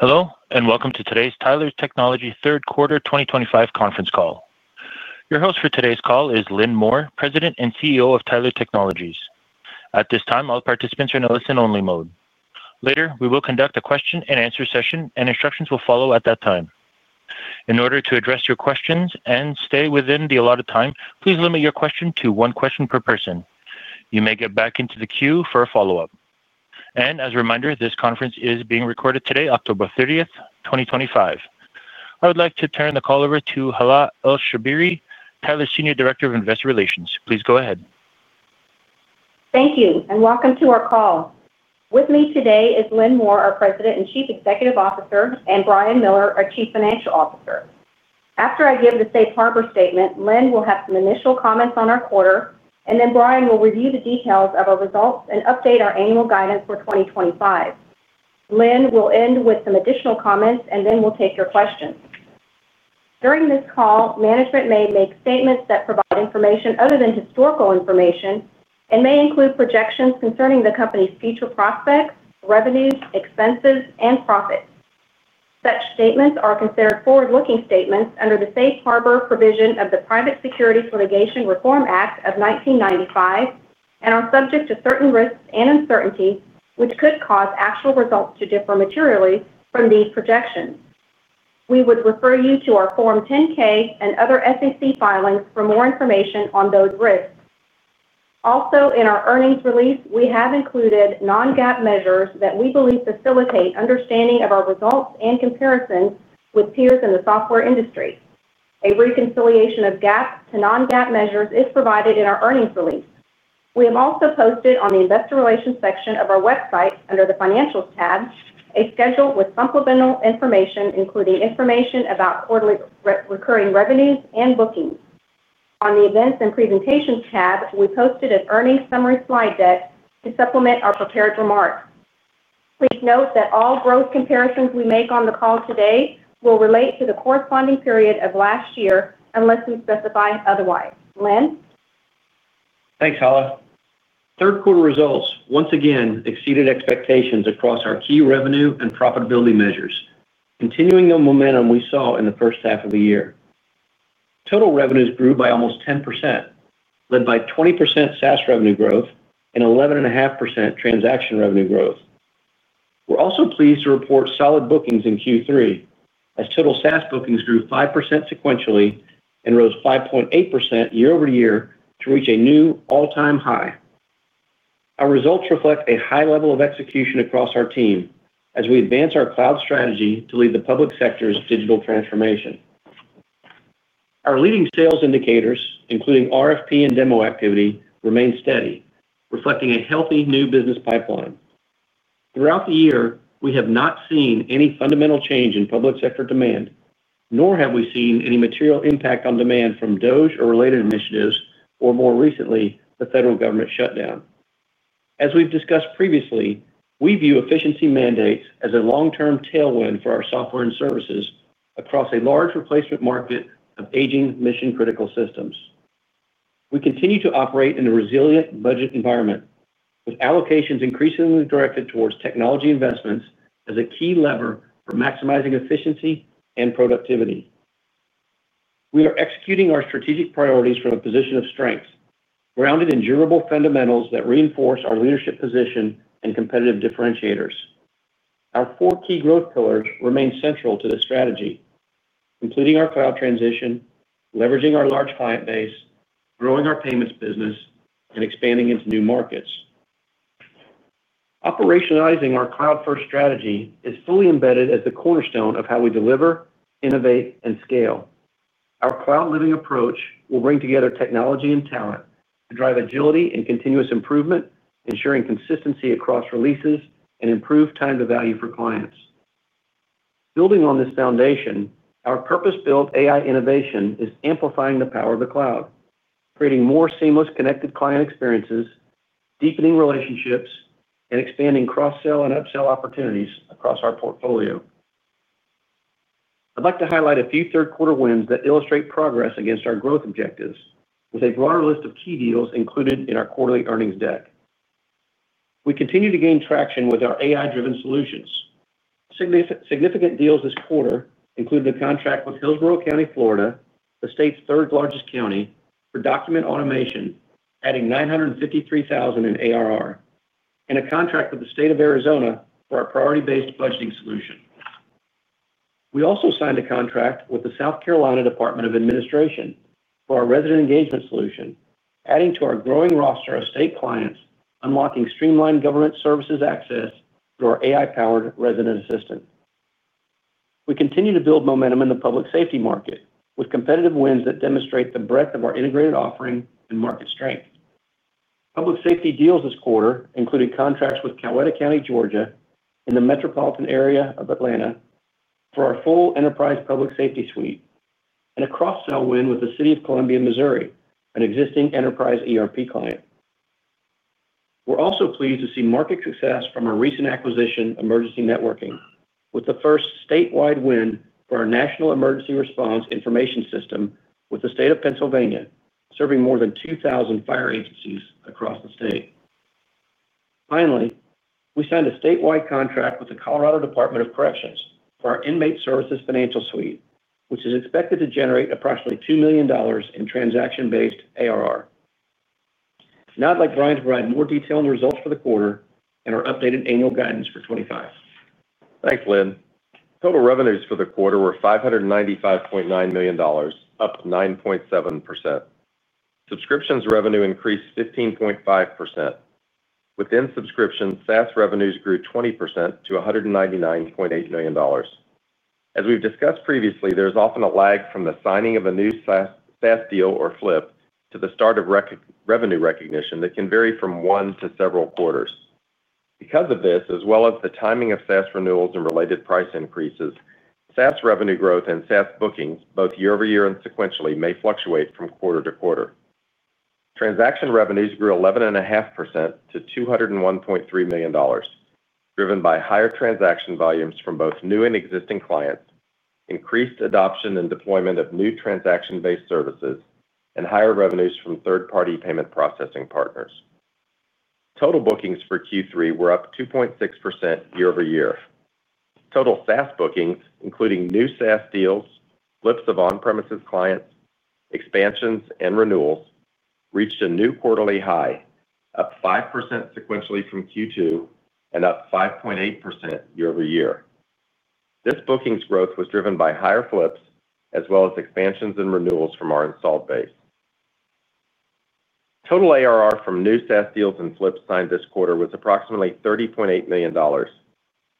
Hello and welcome to today's Tyler Technologies third quarter 2025 conference call. Your host for today's call is Lynn Moore, President and CEO of Tyler Technologies. At this time, all participants are in a listen-only mode. Later, we will conduct a question and answer session, and instructions will follow at that time in order to address your questions and stay within the allotted time. Please limit your question to one question per person. You may get back into the queue for a follow-up. As a reminder, this conference is being recorded today, October 30, 2025. I would like to turn the call over to Hala Elsherbini, Tyler's Senior Director of Investor Relations. Please go ahead. Thank you and welcome to our call. With me today is Lynn Moore, our President and Chief Executive Officer, and Brian Miller, our Chief Financial Officer. After I give the Safe Harbor statement, Lynn will have some initial comments on our quarter and then Brian will review the details of our results and update our annual guidance for 2025. Lynn will end with some additional comments and then we'll take your questions. During this call, management may make statements that provide information other than historical information and may include projections concerning the company's future prospects, revenues, expenses, and profits. Such statements are considered forward-looking statements under the Safe Harbor provision of the Private Securities Litigation Reform Act of 1995 and are subject to certain risks and uncertainty which could cause actual results to differ materially from these projections. We would refer you to our Form 10-K and other SEC filings for more information on those risks. Also, in our earnings release, we have included non-GAAP measures that we believe facilitate understanding of our results and comparisons with peers in the software industry. A reconciliation of GAAP to non-GAAP measures is provided in our earnings release. We have also posted on the Investor Relations section of our website under the Financials tab a schedule with supplemental information, including information about quarterly recurring revenues and bookings. On the Events and Presentations tab, we posted an Earnings Summary slide deck to supplement our prepared remarks. Please note that all growth comparisons we make on the call today will relate to the corresponding period of last year unless we specify otherwise. Lynn. Thanks. Hala. Third quarter results once again exceeded expectations across our key revenue and profitability measures. Continuing the momentum we saw in the first half of the year, total revenues grew by almost 10%, led by 20% SaaS revenue growth and 11.5% transaction revenue growth. We're also pleased to report solid bookings in Q3 as total SaaS bookings grew 5% sequentially and rose 5.8% year-over-year to reach a new all-time high. Our results reflect a high level of execution across our team as we advance our cloud strategy to lead the public sector's digital transformation. Our leading sales indicators, including RFP and demo activity, remain steady, reflecting a healthy new business pipeline. Throughout the year, we have not seen any fundamental change in public sector demand, nor have we seen any material impact on demand from DOGE or related initiatives or, more recently, the federal government shutdown. As we've discussed previously, we view efficiency mandates as a long-term tailwind for our software and services across a large replacement market of aging mission-critical systems. We continue to operate in a resilient budget environment with allocations increasingly directed towards technology investments as a key lever for maximizing efficiency and productivity. We are executing our strategic priorities from a position of strength, grounded in durable fundamentals that reinforce our leadership position and competitive differentiators. Our four key growth pillars remain central to this strategy: completing our cloud transition, leveraging our large client base, growing our payments business, and expanding into new markets. Operationalizing our cloud-first strategy is fully embedded as the cornerstone of how we deliver, innovate, and scale. Our cloud-living approach will bring together technology and talent to drive agility and continuous improvement, ensuring consistency across releases and improved time to value for clients. Building on this foundation, our purpose-built AI innovation is amplifying the power of the cloud, creating more seamless, connected client experiences, deepening relationships, and expanding cross-sell and upsell opportunities across our portfolio. I'd like to highlight a few third quarter wins that illustrate progress against our growth objectives, with a broader list of key deals included in our quarterly earnings deck. We continue to gain traction with our AI-driven solutions. Significant deals this quarter include the contract with Hillsborough County, Florida, the state's third largest county, for document automation, adding $953,000 in ARR, and a contract with the State of Arizona for our priority-based budgeting solution. We also signed a contract with the South Carolina Department of Administration for our Resident Engagement solution, adding to our growing roster of state clients unlocking streamlined government services access through our AI-powered Resident. We continue to build momentum in the public safety market with competitive wins that demonstrate the breadth of our integrated offering and market strength. Public safety deals this quarter included contracts with Coweta County, Georgia, in the metropolitan area of Atlanta for our full enterprise public safety suite and a cross-sell win with the City of Columbia, Missouri, an existing enterprise ERP client. We're also pleased to see market success from our recent acquisition, Emergency Networking, with the first statewide win for our National Emergency Response Information System with the State of Pennsylvania, serving more than 2,000 fire agencies across the state. Finally, we signed a statewide contract with the Colorado Department of Corrections for our Inmate Services Financial Suite, which is expected to generate approximately $2 million in transaction-based ARR. Now I'd like Brian to provide more detail on the results for the quarter and our updated annual guidance for 2025. Thanks, Lynn. Total revenues for the quarter were $595.9 million, up 9.7%. Subscriptions revenue increased 15.5%. Within subscriptions, SaaS revenues grew 20% to $199.8 million. As we've discussed previously, there's often a lag from the signing of a new SaaS deal or flip to the start of revenue recognition that can vary from one to several quarters. Because of this, as well as the timing of SaaS renewals and related price increases, SaaS revenue growth and SaaS bookings both year-over-year and sequentially may fluctuate from quarter to quarter. Transaction revenues grew 11.5% to $201.3 million, driven by higher transaction volumes from both new and existing clients, increased adoption and deployment of new transaction-based services, and higher revenues from third-party payment processing partners. Total bookings for Q3 were up 2.6% year-over-year. Total SaaS bookings, including new SaaS deals, flips of on-premises clients, expansions, and renewals, reached a new quarterly high, up 5% sequentially from Q2 and up 5.8% year-over-year. This bookings growth was driven by higher flips as well as expansions and renewals from our installed base. Total annualized recurring revenue from new SaaS deals and flips signed this quarter was approximately $30.8 million,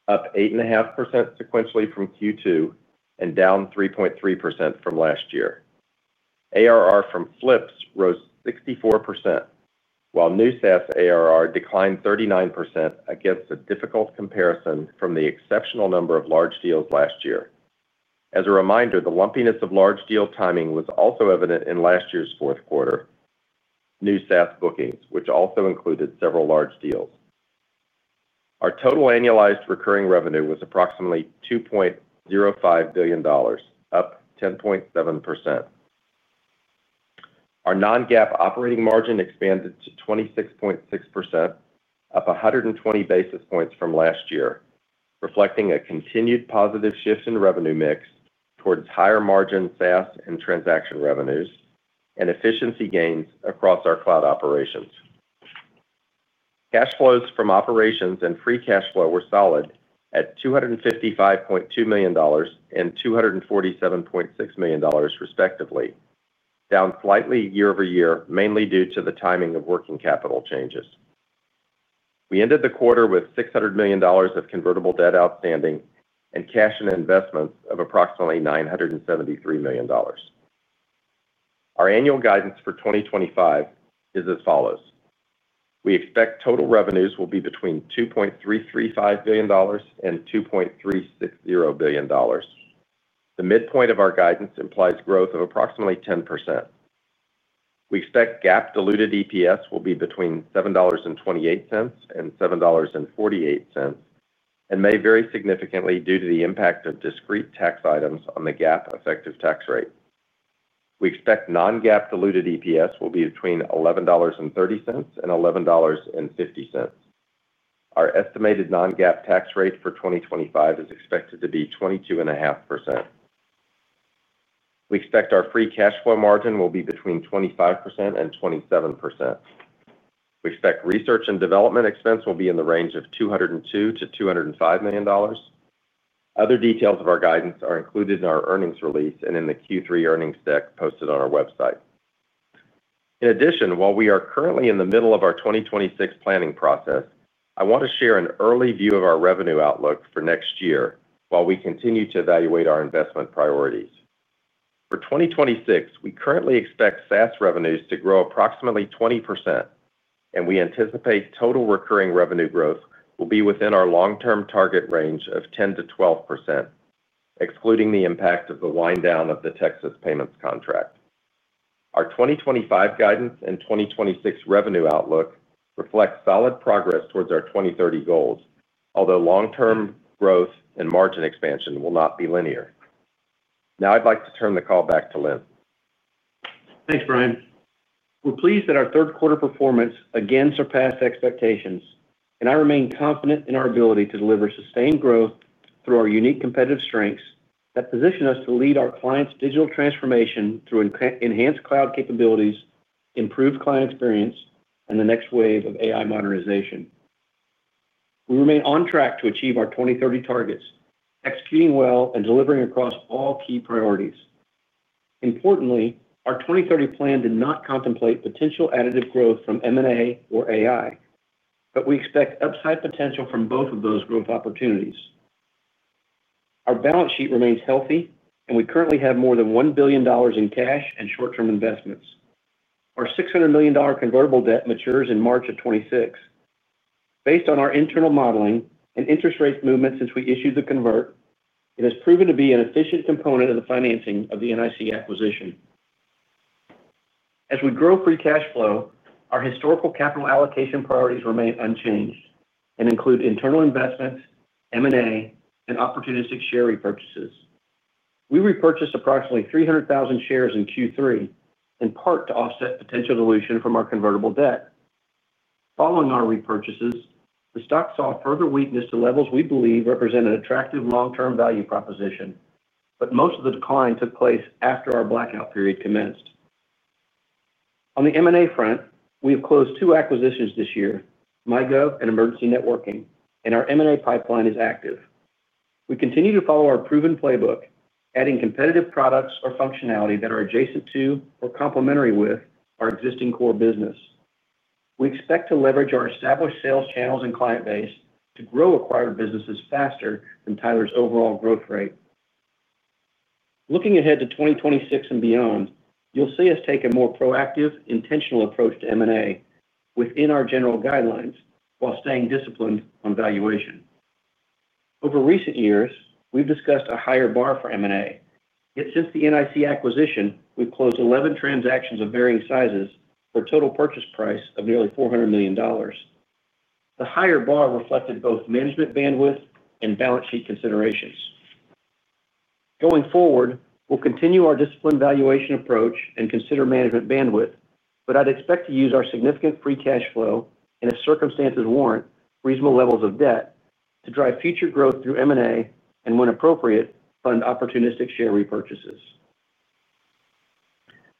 up 8.5% sequentially from Q2 and down 3.3% from last year. ARR from flips rose 64% while new SaaS ARR 39% against a difficult comparison from the exceptional number of large deals last year. As a reminder, the lumpiness of large deal timing was also evident in last year's fourth quarter new SaaS bookings, which also included several large deals. Our total annualized recurring revenue was approximately $2 billion, up 10.7%. Our non-GAAP operating margin expanded to 26.6%, up 120 basis points from last year, reflecting a continued positive shift in revenue mix towards higher margin SaaS and transaction revenues and efficiency gains across our cloud operations. Cash flows from operations and free cash flow were solid at $255.2 million and $247.6 million, respectively, down slightly year-over-year, mainly due to the timing of working capital changes. We ended the quarter with $600 million of convertible debt outstanding and cash and investments of approximately $973 million. Our annual guidance for 2025 is as follows. We expect total revenues will be between $2.335 billion and $2.360 billion. The midpoint of our guidance implies growth of approximately 10%. We expect GAAP diluted EPS will be between $7.28 and $7.48 and may vary significantly due to the impact of discrete tax items on the GAAP effective tax rate. We expect non-GAAP diluted EPS will be between $11.30 and $11.50. Our estimated non-GAAP tax rate for 2025 is expected to be 22.5%. We expect our free cash flow margin will be between 25% and 27%. We expect research and development expense will be in the range of $202 million-$205 million. Other details of our guidance are included in our earnings release and in the Q3 earnings deck posted on our website. In addition, while we are currently in the middle of our 2026 planning process, I want to share an early view of our revenue outlook for next year while we continue to evaluate our investment priorities for 2026. We currently expect SaaS revenues to grow approximately 20% and we anticipate total recurring revenue growth will be within our long-term target range of 10%-12% excluding the impact of the wind-down of the Texas payments contract. Our 2025 guidance and 2026 revenue outlook reflect solid progress towards our 2030 goals, although long-term growth and margin expansion will not be linear. Now I'd like to turn the call back to Lynn. Thanks, Brian. We're pleased that our third quarter performance again surpassed expectations, and I remain confident in our ability to deliver sustained growth through our unique competitive strengths that position us to lead our clients' digital transformation through enhanced cloud capabilities, improved client experience, and the next wave of AI modernization. We remain on track to achieve our 2030 targets, executing well and delivering across all key priorities. Importantly, our 2030 plan did not contemplate potential additive growth from M&A or AI, but we expect upside potential from both of those growth opportunities. Our balance sheet remains healthy, and we currently have more than $1 billion in cash and short-term investments. Our $600 million convertible debt matures in March of 2026. Based on our internal modeling and interest rate movement since we issued the convert, it has proven to be an efficient component of the financing of the NIC Acquisition as we grow free cash flow. Our historical capital allocation priorities remain unchanged and include internal investments, M&A, and opportunistic share repurchases. We repurchased approximately 300,000 shares in Q3, in part to offset potential dilution from our convertible debt. Following our repurchases, the stock saw further weakness to levels we believe represent an attractive long-term value proposition, but most of the decline took place after our blackout period commenced. On the M&A front, we have closed two acquisitions this year, MyGov and Emergency Networking, and our M&A pipeline is active. We continue to follow our proven playbook, adding competitive products or functionality that are adjacent to or complementary with our existing core business. We expect to leverage our established sales channels and client base to grow acquired businesses faster than Tyler's overall growth rate. Looking ahead to 2026 and beyond, you'll see us take a more proactive, intentional approach to M&A within our general guidelines while staying disciplined on valuation. Over recent years, we've discussed a higher bar for M&A. Yet since the NIC Acquisition, we've closed 11 transactions of varying sizes for a total purchase price of nearly $400 million. The higher bar reflected both management bandwidth and balance sheet considerations. Going forward, we'll continue our disciplined valuation approach and consider management bandwidth, but I'd expect to use our significant free cash flow and, if circumstances warrant, reasonable levels of debt to drive future growth through M&A and, when appropriate, fund opportunistic share repurchases.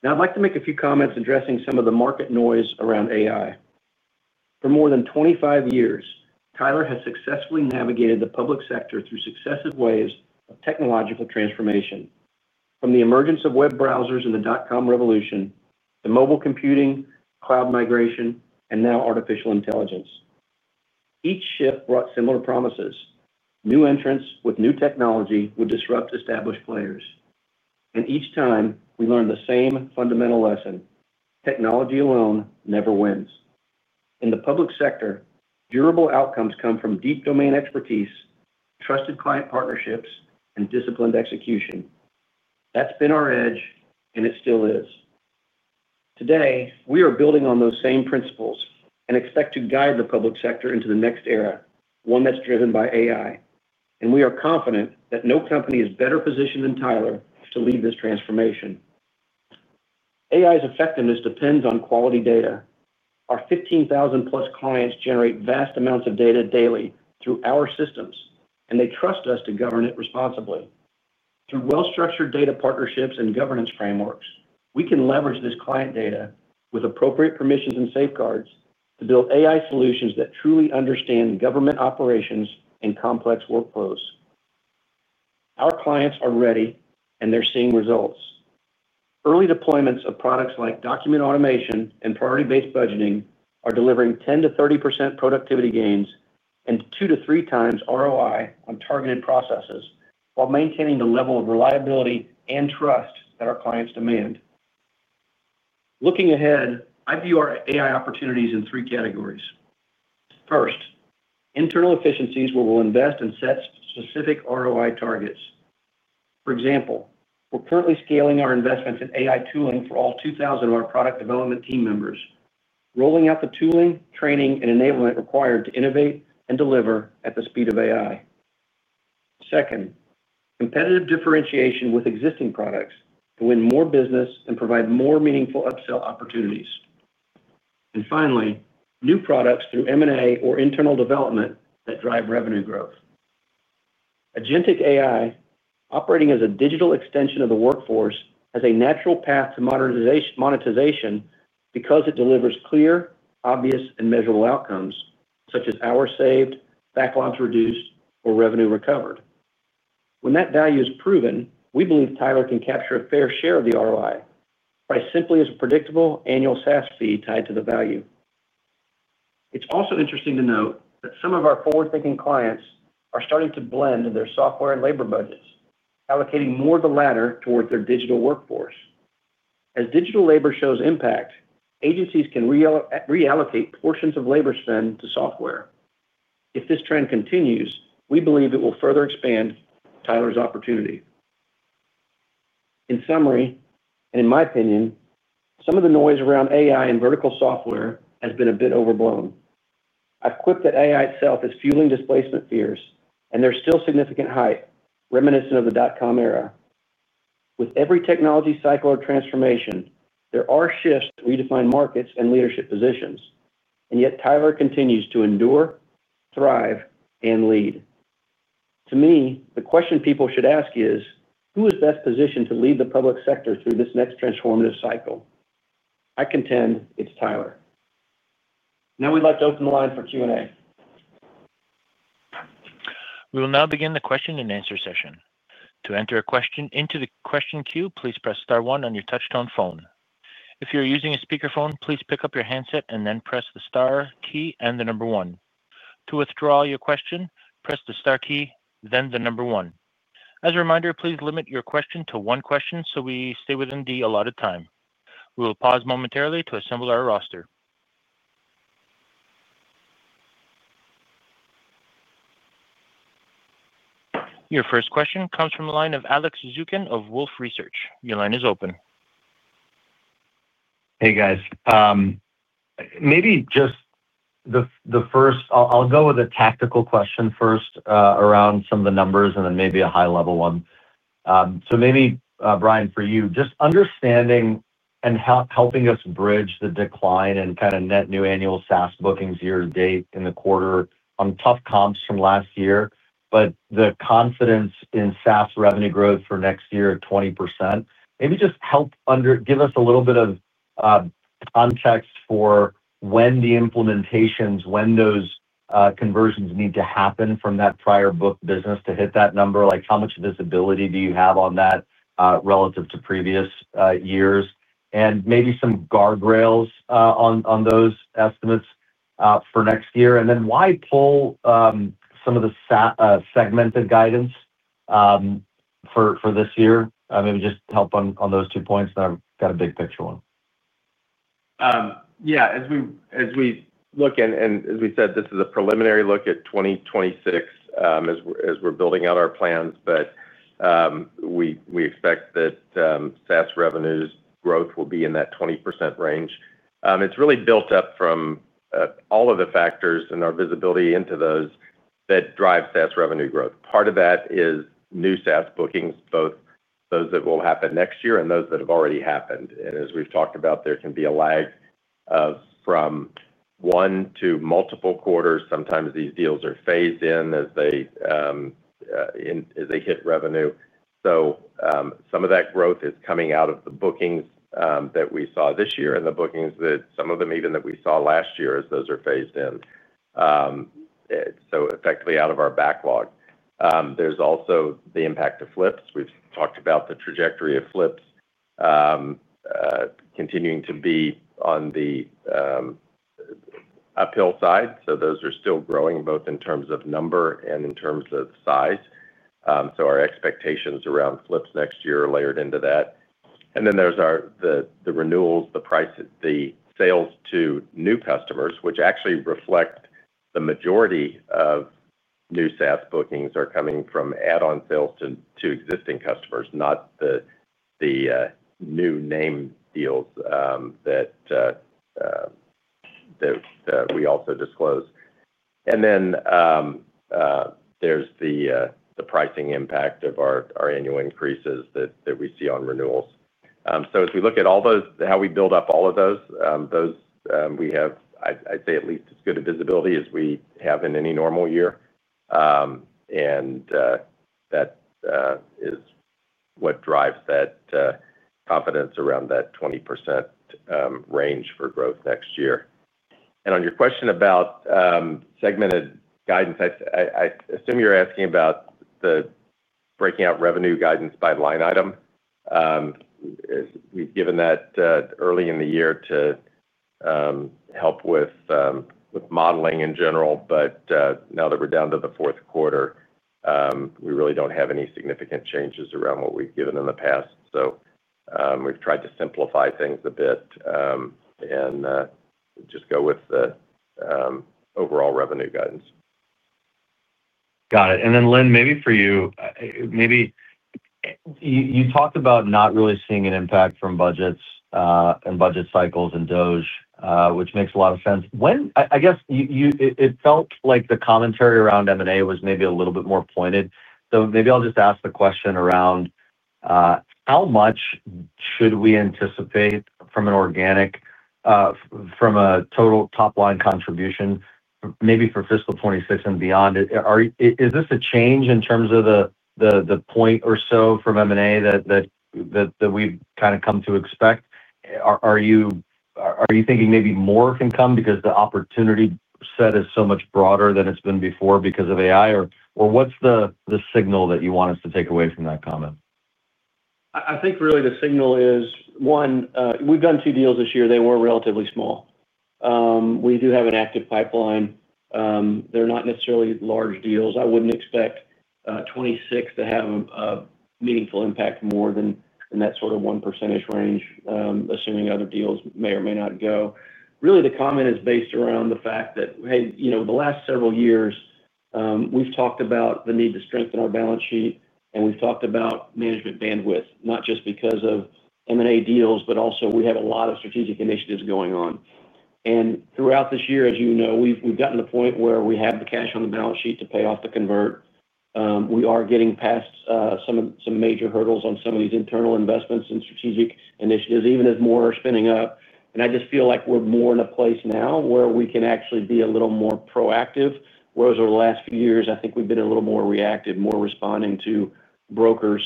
Now I'd like to make a few comments addressing some of the market noise around AI. For more than 25 years, Tyler Technologies has successfully navigated the public sector through successive waves of technological transformation, from the emergence of web browsers in the dot-com revolution, to mobile computing, cloud migration, and now artificial intelligence. Each shift brought similar promises. New entrants with new technology would disrupt established players. Each time, we learned the same fundamental lesson: technology alone never wins in the public sector. Durable outcomes come from deep domain expertise, trusted client partnerships, and disciplined execution. That's been our edge, and it still is today. We are building on those same principles and expect to guide the public sector into the next era, one that's driven by AI. We are confident that no company is better positioned than Tyler to lead this transformation. AI's effectiveness depends on quality data. Our 15,000+ clients generate vast amounts of data daily through our systems, and they trust us to govern it responsibly. Through well-structured data partnerships and governance frameworks, we can leverage this client data with appropriate permissions and safeguards to build AI solutions that truly understand government operations and complex workflows. Our clients are ready, and they're seeing results. Early deployments of products like document automation and priority-based budgeting are delivering 10%-30% productivity gains and 2x to 3x ROI on targeted processes while maintaining the level of reliability and trust that our clients demand. Looking ahead, I view our AI opportunities in three categories. First, internal efficiencies where we'll invest and set specific ROI targets. For example, we're currently scaling our investments in AI tooling for all 2,000 of our product development team members, rolling out the tooling, training, and enablement required to innovate and deliver at the speed of AI. Second, competitive differentiation with existing products to win more business and provide more meaningful upsell opportunities, and finally, new products through M&A or internal development that drive revenue growth. Agentic AI, operating as a digital extension of the workforce, has a natural path to monetization because it delivers clear, obvious, and measurable outcomes such as hours saved, backlogs reduced, or revenue recovered. When that value is proven, we believe Tyler can capture a fair share of the ROI price simply as a predictable annual SaaS fee tied to the value. It's also interesting to note that some of our forward-thinking clients are starting to blend their software and labor budgets, allocating more of the latter towards their digital workforce. As digital labor shows impact, agencies can reallocate portions of labor spend to software. If this trend continues, we believe it will further expand Tyler's opportunity. In summary, and in my opinion, some of the noise around AI and vertical software has been a bit overblown. I've quipped that AI itself is fueling displacement fears, and there's still significant hype reminiscent of the dot-com era. With every technology cycle or transformation, there are shifts that redefine markets and leadership positions. Yet Tyler continues to endure, thrive, and lead. To me, the question people should ask is who is best positioned to lead the public sector through this next transformative cycle? I contend it's Tyler. Now we'd like to open the line for Q&A. We will now begin the question and answer session. To enter a question into the question queue, please press star one on your touchtone phone. If you're using a speakerphone, please pick up your handset and then press the star key and the number one. To withdraw your question, press the star key, then the number one. As a reminder, please limit your question to one question so we stay within the allotted time. We will pause momentarily to assemble our roster. Your first question comes from the line of Alex Zukin of Wolfe Research. Your line is open. Hey guys, maybe just the first. I'll go with a tactical question first around some of the numbers and then maybe a high level one. Maybe Brian, for you, just understanding and helping us bridge the decline and kind of net new annual SaaS bookings. Year to date in the quarter. Tough comps from last year. The confidence in SaaS revenue growth for next year at 20%—maybe just help give us a little bit of context for when the implementations, when those conversions need to happen from that prior book business to hit that number. How much visibility do you have on that relative to previous years? Maybe some guardrails on those estimates for next year. Why pull some of the segmented guidance for this year? Maybe just help on those two points. I've got a big picture one. Yeah, as we look, and as we said, this is a preliminary look at 2026 as we're building out our plans, but we expect that SaaS revenues growth will be in that 20% range. It's really built up from all of the factors and our visibility into those that drives SaaS revenue growth. Part of that is new SaaS bookings, both those that will happen next year and those that have already happened. As we've talked about, there can be a lag from one to multiple quarters. Sometimes these deals are phased in as they hit revenue. Some of that growth is coming out of the bookings that we saw this year and the bookings that some of them even that we saw last year as those are phased in. Effectively out of our backlog. There's also the impact of flips. We've talked about the trajectory of flips continuing to be on the uphill side. Those are still growing both in terms of number and in terms of size. Our expectations around flips next year are layered into that. There's the renewals, the price, the sales to new customers, which actually reflect the majority of new SaaS bookings are coming from add-on sales to existing customers, not the new name deals that we also disclose. There's the pricing impact of our annual increases that we see on renewals. As we look at all those, how we build up all of those, we have, I'd say, at least as good a visibility as we have in any normal year. That is what drives that confidence around that 20% range for growth next year. On your question about segmented guidance, I assume you're asking about breaking out revenue guidance by line item. We've given that early in the year to help with modeling in general. Now that we're down to the fourth quarter, we really don't have any significant changes around what we've given in the past. We've tried to simplify things a bit and just go with overall revenue guidance. Got it. Lynn, maybe for you, maybe. You talked about not really seeing an impact from budgets and budget cycles and doge, which makes a lot of sense when I guess you it felt like the commentary around M&A was maybe a little bit more pointed. Maybe I'll just ask the question around how much should we anticipate from an organic, from a total top line contribution maybe for fiscal 2026 and beyond? Is this a change in terms of the point or so from M&A that we've kind of come to expect? Are you thinking maybe more can come because the opportunity set is so much broader than it's been before because of AI or what's the signal that you want us to take away from that comment? I think really the signal is one, we've done two deals this year. They were relatively small. We do have an active pipeline. They're not necessarily large deals. I wouldn't expect 2026 to have a meaningful impact more than that sort of 1% range, assuming other deals may or may not go. Really the comment is based around the fact that, hey, you know, the last several years we've talked about the need to strengthen our balance sheet and we've talked about management bandwidth not just because of M&A deals, but also we have a lot of strategic initiatives going on. Throughout this year, as you know, we've gotten the point where we have the cash on the balance sheet to pay off the convert. We are getting past some major hurdles on some of these internal investments and strategic initiatives even as more are spinning up. I just feel like we're more in a place now where we can actually be a little more proactive. Over the last few years I think we've been a little more reactive, more responding to brokers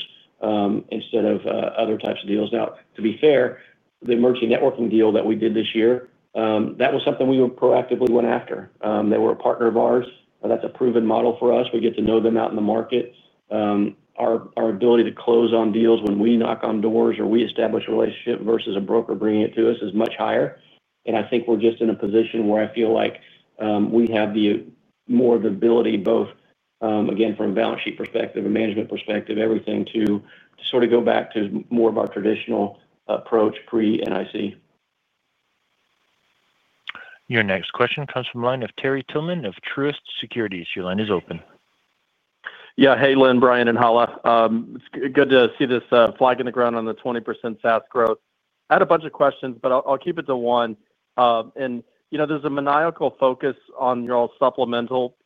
instead of other types of deals. To be fair, the Emergency Networking deal that we did this year, that was something we proactively went after. They were a partner of ours. That's a proven model for us. We get to know them out in the market. Our ability to close on deals when we knock on doors or we establish a relationship versus a broker bringing it to us is much higher. I think we're just in a position where I feel like we have more of the ability both again from a balance sheet perspective, a management perspective, everything to sort of go back to more of our traditional approach pre NIC. Your next question comes from the line of Terry Tillman of Truist Securities. Your line is open. Yeah. Hey Lynn, Brian and Hala, it's good to see this flag in the ground on the 20% SaaS growth. I had a bunch of questions but I'll keep it to one. You know there's a maniacal focus on your supplemental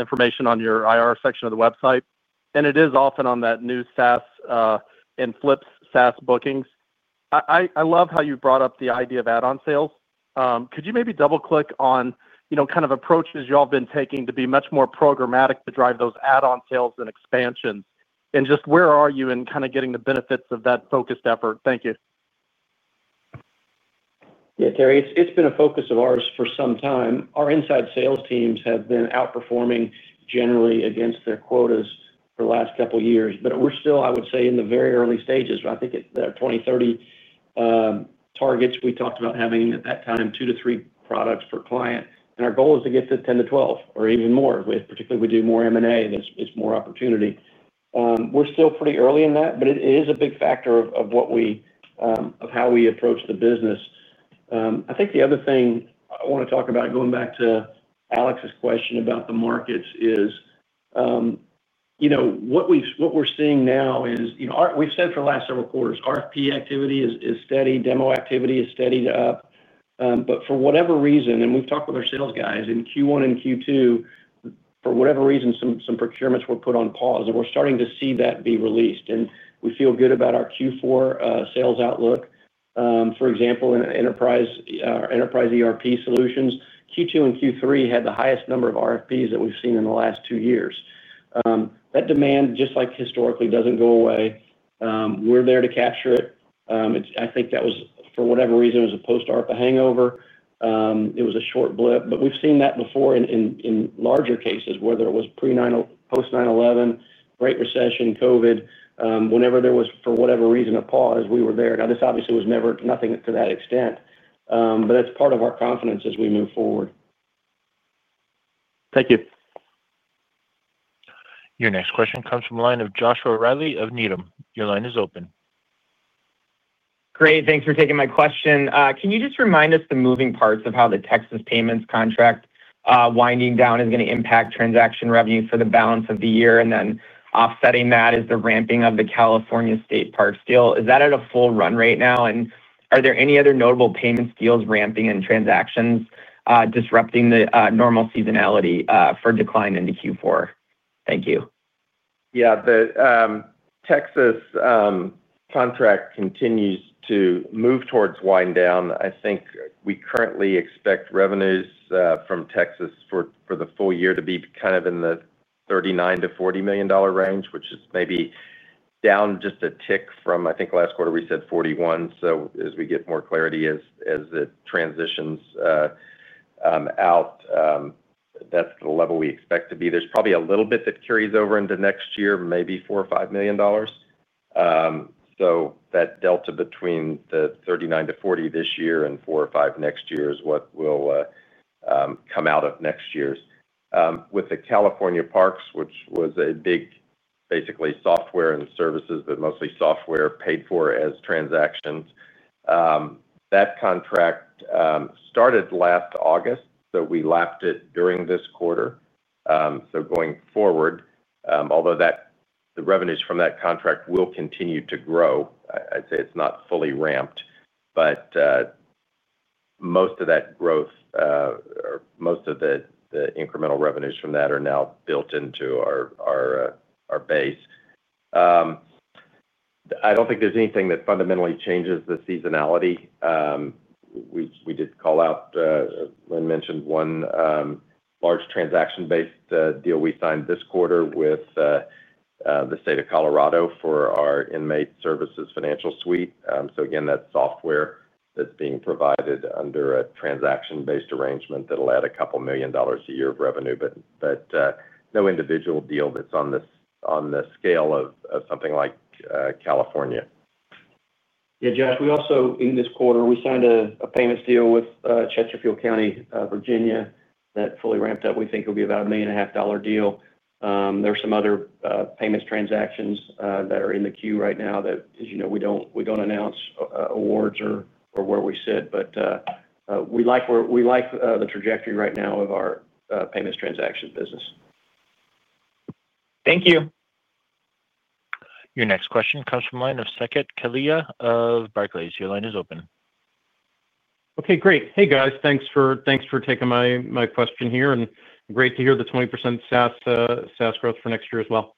information on your IR section of the website and it is often on that new SaaS and flips SaaS bookings. I love how you brought up the idea of add-on sales. Could you maybe double click on, you know, kind of approaches you all been taking to be much more programmatic to drive those add-on sales and expansions and just where are you in kind of getting the benefits of that focused effort? Thank you. Yeah, Terry, it's been a focus of ours for some time. Our inside sales teams have been outperforming generally against their quotas for the last couple years. We're still, I would say, in the very early stages. I think 20, 30 targets we talked about having at that time two to three products per client and our goal is to get to 10-12 or even more. Particularly if we do more M&A, it's more opportunity. We're still pretty early in that. It is a big factor of how we approach the business. I think the other thing I want to talk about, going back to Alex's question about the markets, is what we're seeing now is we've said for the last several quarters, RFP activity is steady, demo activity is steadied up. For whatever reason, and we've talked with our sales guys in Q1 and Q2, for whatever reason, some procurements were put on pause and we're starting to see that be released and we feel good about our Q4 sales outlook. For example, in Enterprise ERP Solutions, Q2 and Q3 had the highest number of RFPs that we've seen in the last two years. That demand, just like historically, doesn't go away. We're there to capture it. I think that was, for whatever reason, it was a post-ARPA hangover. It was a short blip. We've seen that before in larger cases. Whether it was post-9/11, Great Recession, Covid, whenever there was, for whatever reason, a pause, we were there. This obviously was never anything to that extent. That's part of our confidence as we move forward. Thank you. Your next question comes from the line of Joshua Reilly of Needham. Your line is open. Great.Thanks for taking my question. Can you just remind us the moving parts of how the Texas payments contract wind-down is going to impact transaction revenue for the balance of the year, and then offsetting that is the ramping of the California state parks deal. Is that at a full run right now? Are there any other notable payments deals ramping and transactions disrupting the normal seasonality for decline into Q4? Thank you. Yeah. The Texas contract continues to move towards wind-down. I think we currently expect revenues from Texas for the full year to be kind of in the $39 million-$40 million range, which is maybe down just a tick from I think last quarter we said $41 million. As we get more clarity as it transitions out, that's the level we expect to be. There's probably a little bit that carries over into next year, maybe $4 million or $5 million. That delta between the $39 million-$40 million this year and $4 million or $5 million next year is what will come out of next year with the California parks, which was a big, basically software and services, but mostly software paid for as transactions. That contract started last August, so we lapped it during this quarter. Going forward, although the revenues from that contract will continue to grow, I'd say it's not fully ramped, but most of that growth, most of the incremental revenues from that are now built into our base. I don't think there's anything that fundamentally changes the seasonality. We did call out Lynn mentioned one large transaction-based deal we signed this quarter with the Colorado Inmate Services Financial Suite. Again, that's software that's being provided under a transaction-based arrangement that'll add a couple million dollars a year of revenue. No individual deal that's on the scale of something like California. Yeah, Josh, we also in this quarter we signed a payments deal with Chesterfield County, Virginia that fully ramped up. We think it'll be about a $1.5 million deal. There's some other payments transactions that are in the queue right now that, as you know, we don't announce awards or where we sit, but we like the trajectory right now of our payments transaction business. Thank you. Your next question comes from the line of Saket Kalia of Barclays. Your line is open. Okay, great. Hey guys, thanks for taking my question here. Great to hear the 20% SaaS growth for next year as well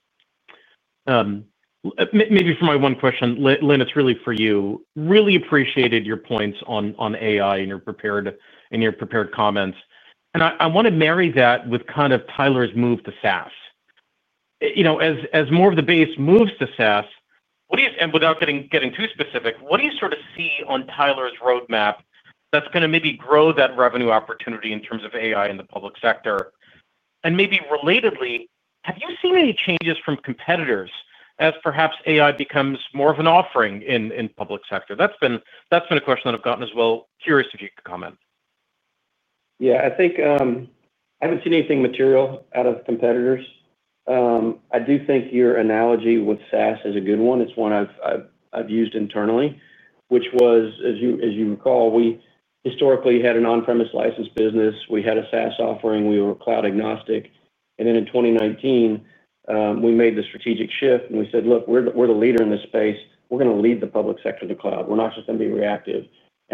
maybe. For my one question, Lynn, it's really for you. Really appreciated your points on AI in your prepared comments and I want to marry that with kind of Tyler's move to SaaS, you know, as more of the base moves to SaaS. What is, and without getting too specific, what do you sort of see on Tyler's roadmap that's going to maybe grow that revenue opportunity in terms of AI in the public sector? Maybe relatedly, have you seen any changes from competitors as perhaps AI becomes more of an offering in public sector? That's been a question that I've gotten as well. Curious if you could comment. Yeah, I think I haven't seen anything material out of competitors. I do think your analogy with SaaS is a good one. It's one I've used internally, which was, as you recall, we historically had an on-premises license business. We had a SaaS offering. We were cloud agnostic. In 2019, we made the strategic shift and we said, look, we're the leader in this space. We're going to lead the public sector to cloud. We're not just going to be reactive.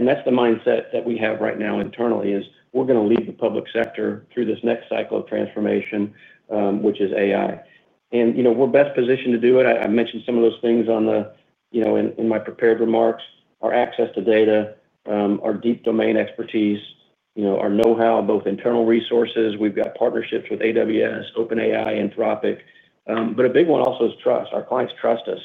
That's the mindset that we have right now internally. We're going to lead the public sector through this next cycle of transformation, which is AI. You know, we're best positioned to do it. I mentioned some of those things in my prepared remarks: our access to data, our deep domain expertise, our know-how, both internal resources, we've got partnerships with AWS, OpenAI, Anthropic. A big one also is trust. Our clients trust us.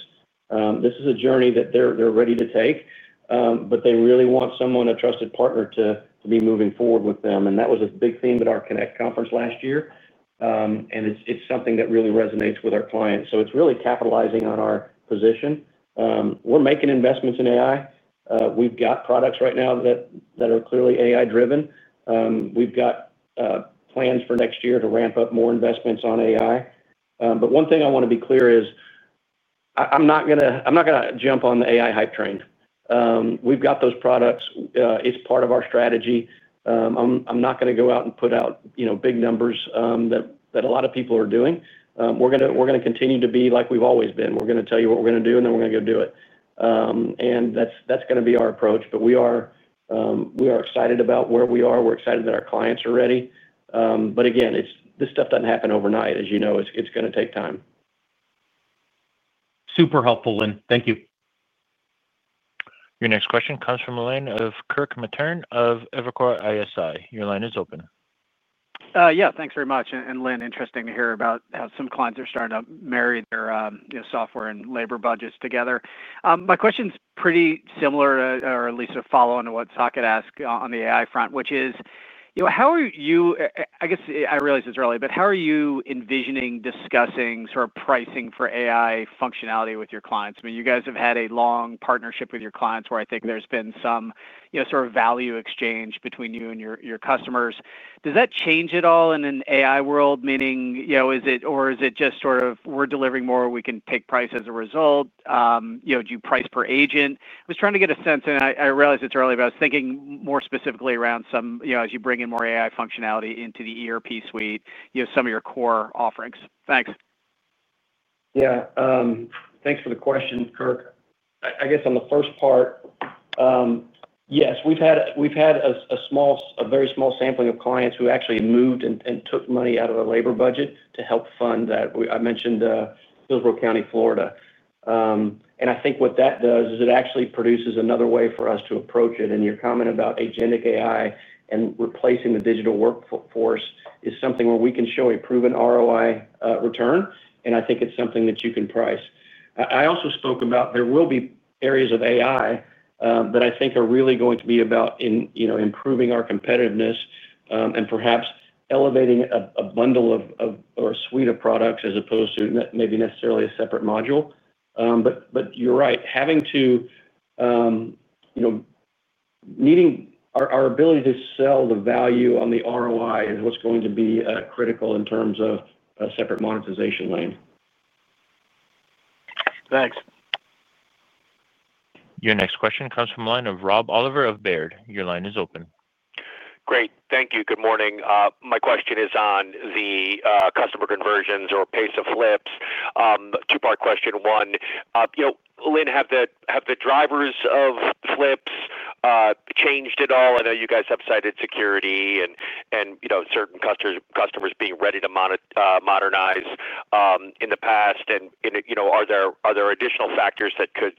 This is a journey that they're ready to take. They really want someone, a trusted partner, to be moving forward with them. That was a big theme at our Connect conference last year, and it's something that really resonates with our clients. It's really capitalizing on our position. We're making investments in AI. We've got products right now that are clearly AI driven. We've got plans for next year to ramp up more investments on AI. One thing I want to be clear is I'm not going to jump on the AI hype train. We've got those products. It's part of our strategy. I'm not going to go out and put out big numbers that a lot of people are doing. We're going to continue to be like we've always been. We're going to tell you what we're going to do and then we're going to go do it. That's going to be our approach. We are excited about where we are. We're excited that our clients are ready. This stuff doesn't happen overnight, as you know. It's going to take time. Super helpful, Lynn. Thank you. Your next question comes from Kirk Matern of Evercore. Your line is open. Yeah, thanks very much. Lynn, interesting to hear about how some clients are starting to marry their software and labor budgets together. My question's pretty similar, or at least a follow on to what Saket asked on the AI front. How are you, I guess I realize this is early, but how are you envisioning discussing sort of pricing for AI functionality with your clients? You guys have had a long partnership with your clients where I think there's been some sort of value exchange between you and your customers. Does that change at all in an AI world, meaning, or is it just sort of we're delivering more, we can take price as a result? Do you price per agent? I was trying to get a sense and I realize it's early, but I was thinking more specifically around some, as you bring in more AI functionality to the ERP suite, some of your core offerings. Thanks. Yeah, thanks for the question, Kirk. On the first part, yes, we've had a small, a very small sampling of clients who actually moved and took money out of a labor budget to help fund that. I mentioned Hillsborough County, Florida, and I think what that does is it actually produces another way for us to approach it. Your comment about agentic AI and replacing the digital workforce is something where we can show a proven ROI return and I think it's something that you can price. I also spoke about there will be areas of AI that I think are really going to be about improving our competitiveness and perhaps elevating a bundle of or suite of products as opposed to maybe necessarily a separate module. You're right. Needing our ability to sell the value on the ROI is what's going to be critical in terms of a separate monetization lane. Your next question comes from the line of Rob Oliver of Baird. Your line is open. Great, thank you. Good morning. My question is on the customer conversions or pace of flips. Two part question. One, Lynn, have the drivers of flips changed at all? I know you guys have cited security. Certain customers being ready to modernize in the past are there additional factors that could?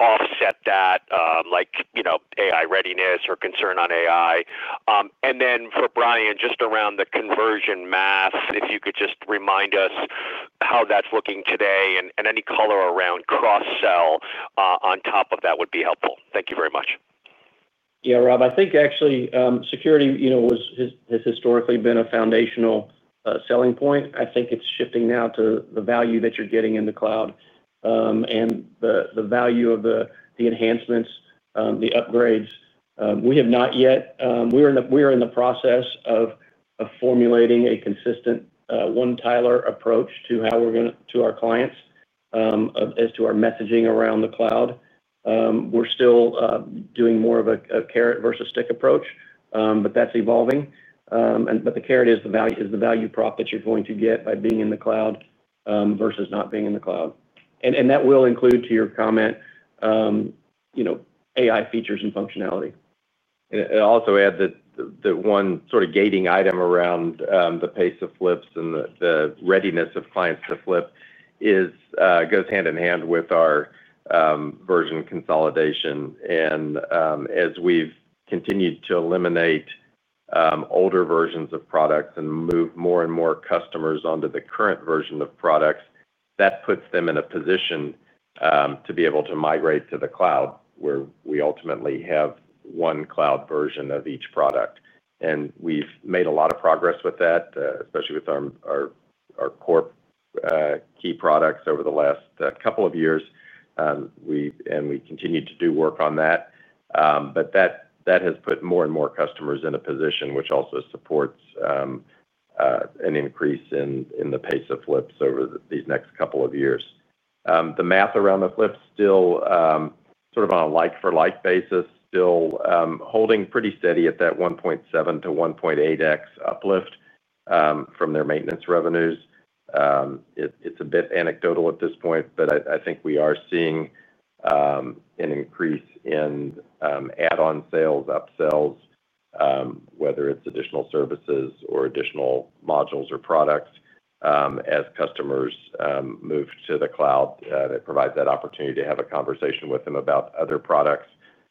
Offset that like AI readiness or concern on AI? For Brian, just around the conversion math. If you could just remind us how that's looking today and any color around cross-sell on top of would be helpful. Thank you very much. Yeah, Rob, I think actually security has historically been a foundational selling point. I think it's shifting now to the value that you're getting in the cloud and the value of the enhancements, the upgrades. We have not yet. We are in the process of formulating a consistent one Tyler approach to how we're going to our clients as to our messaging around the cloud. We're still doing more of a carrot versus stick approach, but that's evolving. The carrot is the value prop that you're going to get by being in the cloud versus not being in the cloud, and that will include too your comment AI features and functionality. I'll also add that one sort of gating item around the pace of flips and the readiness of clients to flip goes hand in hand with our version consolidation. As we've continued to eliminate older versions of products and move more and more customers onto the current version of products, that puts them in a position to be able to migrate to the cloud where we ultimately have one cloud version of each product. We've made a lot of progress with that, especially with our core key products over the last couple of years and we continue to do work on that. That has put more and more customers in a position which also supports an increase in the pace of flips over these next couple of years. The math around the flip still sort of on a like-for-like basis, still holding pretty steady at that 1.7x to 1.8x uplift from their maintenance revenues. It's a bit anecdotal at this point, but I think we are seeing an increase in add-on sales, upsells. Whether it's additional services or additional modules or products as customers move to the cloud, that provides that opportunity to have a conversation with them about other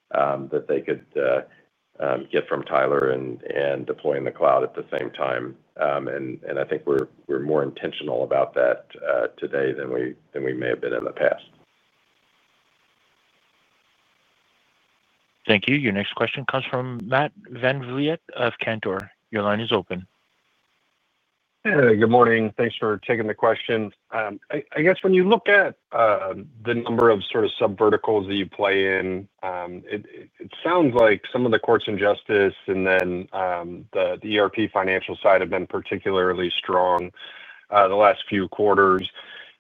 products that they could get from Tyler and deploy in the cloud at the same time. I think we're more intentional about that today than we may have been in the past. Thank you. Your next question comes from Matt VanVliet of Cantor. Your line is open. Good morning. Thanks for taking the question. I guess when you look at the number of sort of sub-verticals that you play in, it sounds like some of the courts and justice and then the ERP financial side have been particularly strong the last few quarters.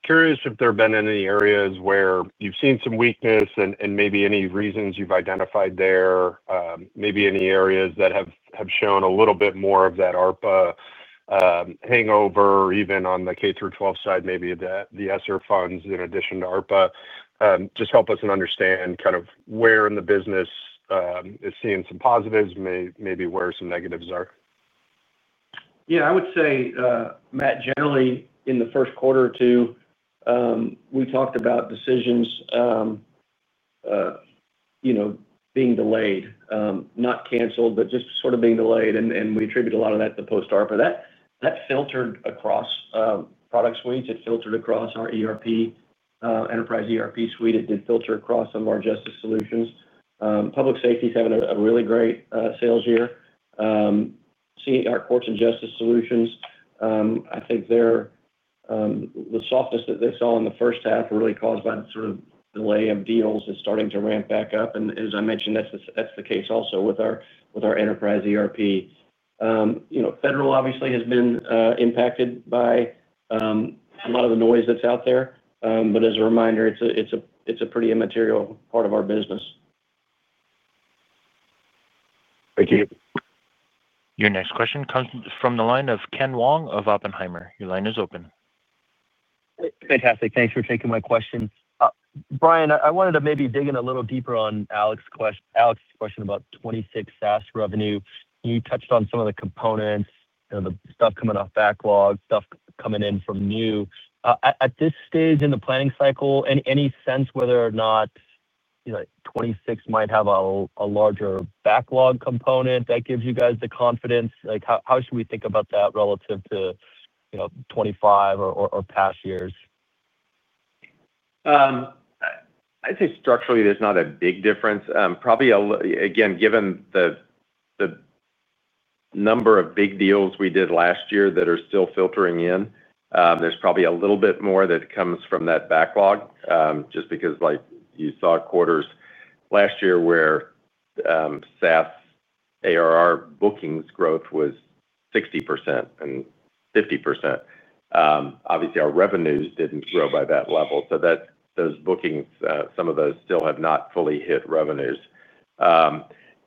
Curious if there have been any areas where you've seen some weakness and maybe any reasons you've identified there. Maybe any areas that have shown a little bit more of that ARPA hangover even on the K through 12 side. Maybe the ESSER funds in addition to ARPA just help us understand kind of where in the business is seeing some positives, maybe where some negatives are. Yeah, I would say, Matt, generally in the first quarter or two we talked about decisions being delayed, not canceled, but just sort of being delayed. We attribute a lot of that to post-ARPA that filtered across product suites. It filtered across our ERP, enterprise ERP suite. It did filter across some of our justice solutions. Public safety is having a really great sales year. Seeing our courts and justice solutions, I think the softness that they saw in the first half really caused by sort of delay of deals is starting to ramp back up. As I mentioned, that's the case also with our enterprise ERP. Federal obviously has been impacted by a lot of the noise that's out there. As a reminder, it's a pretty immaterial part of our business. Your next question comes from the line of Ken Wong of Oppenheimer. Your line is open. Fantastic. Thanks for taking my question, Brian. I wanted to maybe dig in a little deeper on Alex's question about 2026 SaaS revenue. You touched on some of the components, the stuff coming off backlog, stuff coming in from new at this stage in the planning cycle. Any sense whether or not 2026 might have a larger backlog component that gives you guys the confidence, how should we think about that relative to 2025 or past years? I'd say structurally there's not a big difference. Probably again, given the number of big deals we did last year that are still filtering in, there's probably a little bit more that comes from that backlog just because like you saw quarters last year where SaaS ARR bookings growth was 60% and 50%. Obviously our revenues didn't grow by that level. Those bookings, some of those still have not fully hit revenues.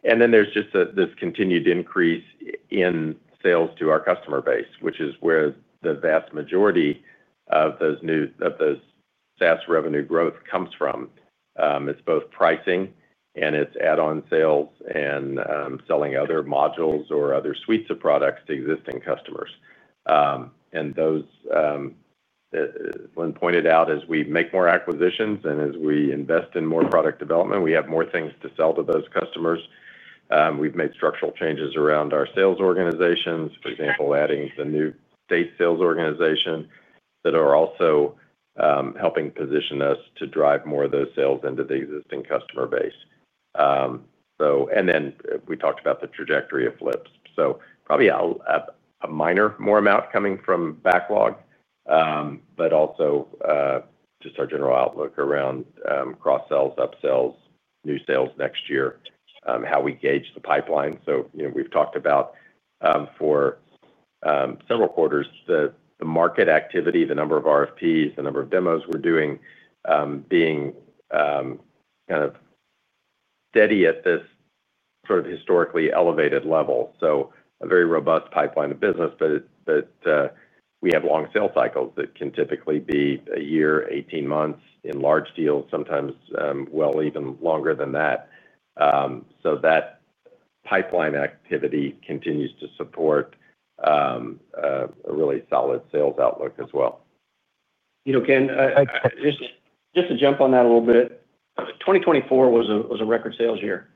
There's just this continued increase in sales to our customer base, which is where the vast majority of those SaaS revenue growth comes from. It's both pricing and it's add-on sales and selling other modules or other suites of products to existing customers. As Lynn pointed out, as we make more acquisitions and as we invest in more product development, we have more things to sell to those customers. We've made structural changes around our sales organizations, for example, adding the new state sales organization that are also helping position us to drive more of those sales into the existing customer base. We talked about the trajectory of flips. Probably a minor more amount coming from backlog, but also just our general outlook around cross-sells, upsells, new sales next year, how we gauge the pipeline. We've talked about for several quarters the market activity, the number of RFPs, the number of demos we're doing being kind of steady at this sort of historically elevated level. A very robust pipeline of business exists. We have long sales cycles that can typically be a year, 18 months in large deals, sometimes even longer than that. That pipeline activity continues to support a really solid sales outlook as well. You know, Ken, just to jump on that a little bit, 2024 was a record sales year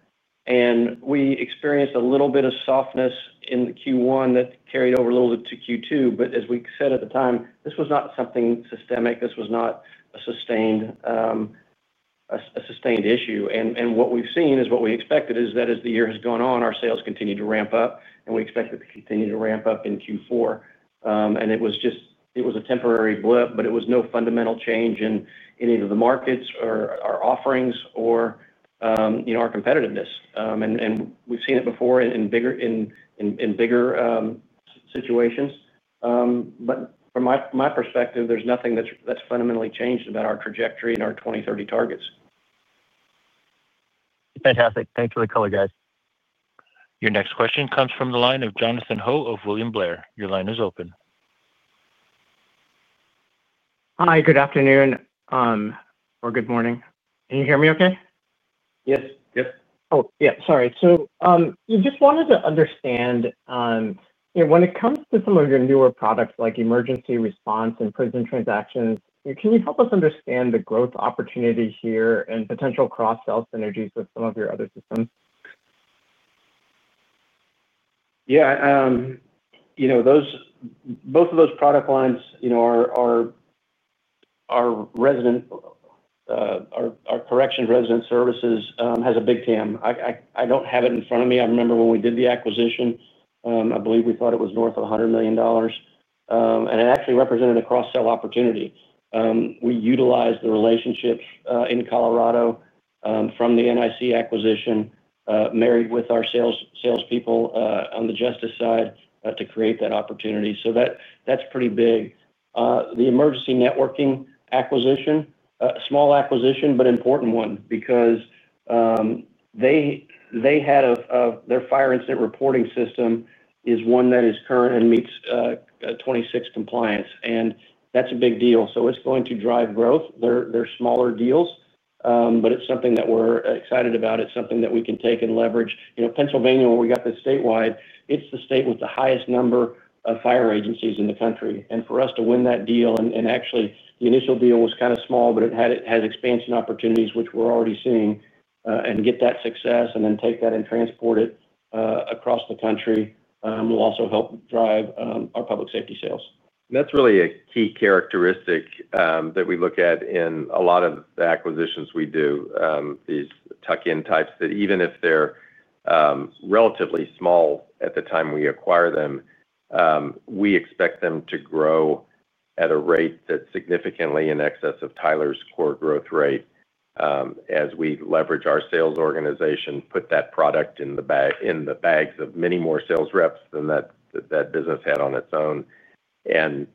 and we experienced a little bit of softness in Q1 that carried over a little to Q2. As we said at the time, this was not something systemic. This was not a sustained issue. What we've seen is, what we expected is that as the year has gone on, our sales continue to ramp up and we expect it to continue to ramp up in Q4. It was just a temporary blip, but it was no fundamental change in either the markets or our offerings or, you know, our competitiveness. We've seen it before in bigger situations. From my perspective, there's nothing that's fundamentally changed about our trajectory and our 2030 targets. Fantastic. Thanks for the color, guys. Your next question comes from the line of Jonathan Ho of William Blair. Your line is open. Hi. Good afternoon or good morning. Can you hear me okay? Yes. Yes. Oh, yeah, sorry. You just wanted to understand when it comes to some of your newer products like emergency response and prison transactions, can you help us understand the growth opportunity here and potential cross-sell synergies with some of your other systems? Yeah, you know those. Both of those product lines, you know, our corrections resident services has a big TAM. I don't have it in front of me. I remember when we did the acquisition, I believe we thought it was north of $100 million. It actually represented a cross-sell opportunity. We utilized the relationships in Colorado from the NIC acquisition, married with our salespeople on the justice side to create that opportunity. That's pretty big. The Emergency Networking acquisition, small acquisition but important one because they had their fire incident reporting system, is one that is current and meets 26 compliance. That's a big deal. It's going to drive growth. They're smaller deals, but it's something that we're excited about. It's something that we can take and leverage. Pennsylvania, where we got the statewide, it's the state with the highest number of fire agencies in the country. For us to win that deal and actually the initial deal was kind of small, but it has expansion opportunities which we're already seeing and get that success and then take that and transport it across the country will also help drive our public safety sales. That's really a key characteristic that we look at in a lot of the acquisitions. We do these tuck-in types that even if they're relatively small at the time we acquire them, we expect them to grow at a rate that's significantly in excess of Tyler's core growth rate. As we leverage our sales organization, put that product in the bags of many more sales reps than that business had on its own, and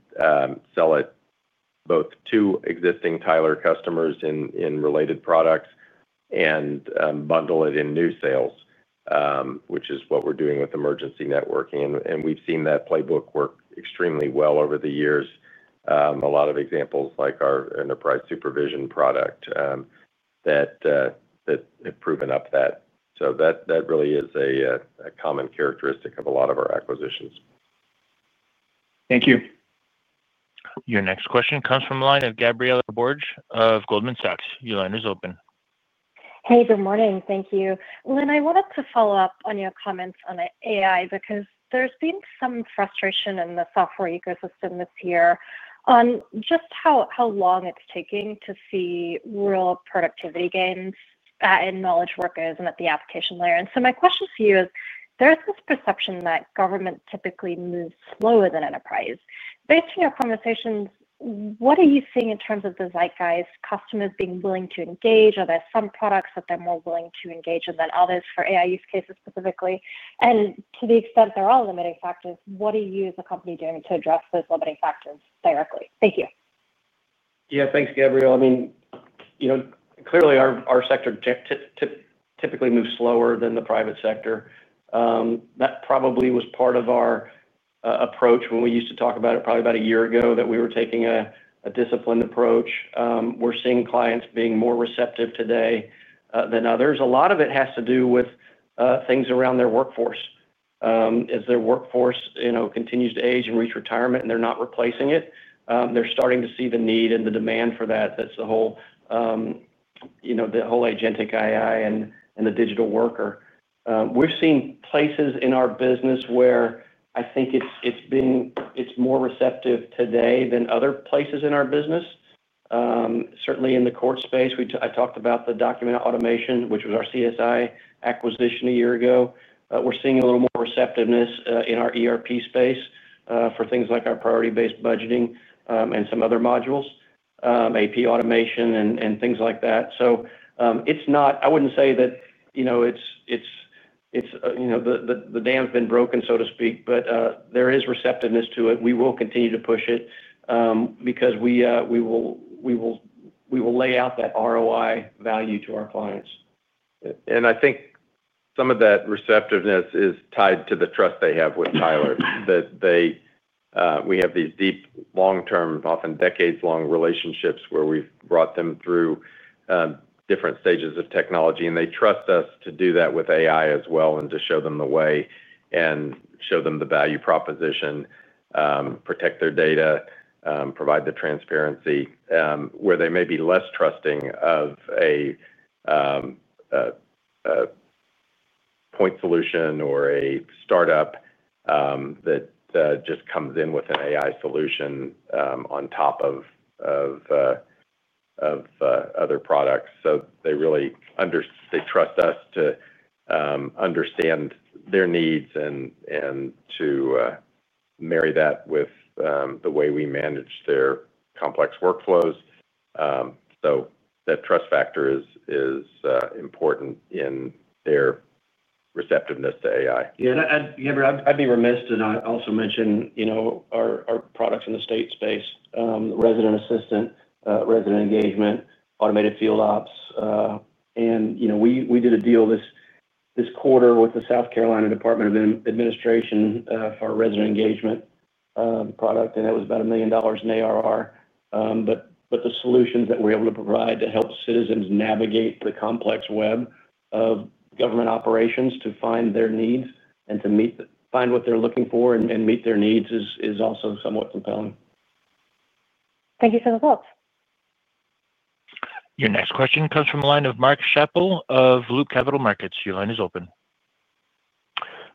sell it both to existing Tyler customers in related products and bundle it in new sales, which is what we're doing with Emergency Networking. We've seen that playbook work extremely well over the years. A lot of examples like our enterprise supervision product have proven that. That really is a common characteristic of a lot of our acquisitions. Thank you. Your next question comes from the line of Gabriela Borges of Goldman Sachs. Your line is open. Hey, good morning. Thank you, Lynn. I wanted to follow up on your comments on AI because there's been some frustration in the software ecosystem this year on just how long it's taking to see real productivity gains in knowledge workers and at the application layer. My question to you is there's this perception that government typically moves slower than enterprise. Based on your conversations, what are you seeing in terms of the Zeitgeist, customers being willing to engage? Are there some products that they're more willing to engage in than others for AI use cases specifically, and to the extent there are limiting factors, what are you, the company, doing to address those limiting factors directly? Thank you. Yeah, thanks, Gabriel. I mean, you know, clearly our sector typically moves slower than the private sector. That probably was part of our approach when we used to talk about it probably about a year ago that we were taking a disciplined approach. We're seeing clients being more receptive today than others. A lot of it has to do with things around their workforce, as their workforce continues to age and reach retirement. They're not replacing it. They're starting to see the need and the demand for that. That's the whole, you know, the whole agentic AI and the digital worker. We've seen places in our business where I think it's been, it's more receptive today than other places in our business, certainly in the court space. I talked about the document automation, which was our CSI acquisition a year ago. We're seeing a little more receptiveness in our ERP space for things like our priority-based budgeting and some other modules, AP automation and things like that. It's not, I wouldn't say that, you know, it's, you know, the dam's been broken, so to speak. There is receptiveness to it. We will continue to push it because we will lay out that ROI value to our clients. I think some of that receptiveness is tied to the trust they have with Tyler. We have these deep, long-term, often decades-long relationships where we brought them through different stages of technology, and they trust us to do that with AI as well, to show them the way and show them the value proposition, protect their data, and provide the transparency where they may be less trusting of a point solution or a startup that just comes in with an AI solution on top of other products. They really trust us to understand their needs and to marry that with the way we manage their complex workflows. That trust factor is important in their receptiveness to AI. Yeah, I'd be remiss to not also mention our products in the state space. Resident engagement, automated field ops. We did a deal this quarter with the South Carolina Department of Administration for Resident Engagement product and it was about $1 million in ARR. The solutions that we're able to provide to help citizens navigate the complex web of government operations to find their needs and to find what they're looking for and meet their needs is also somewhat compelling. Thank you for the thoughts. Your next question comes from the line of Mark Schappel of Loop Capital Markets. Your line is open.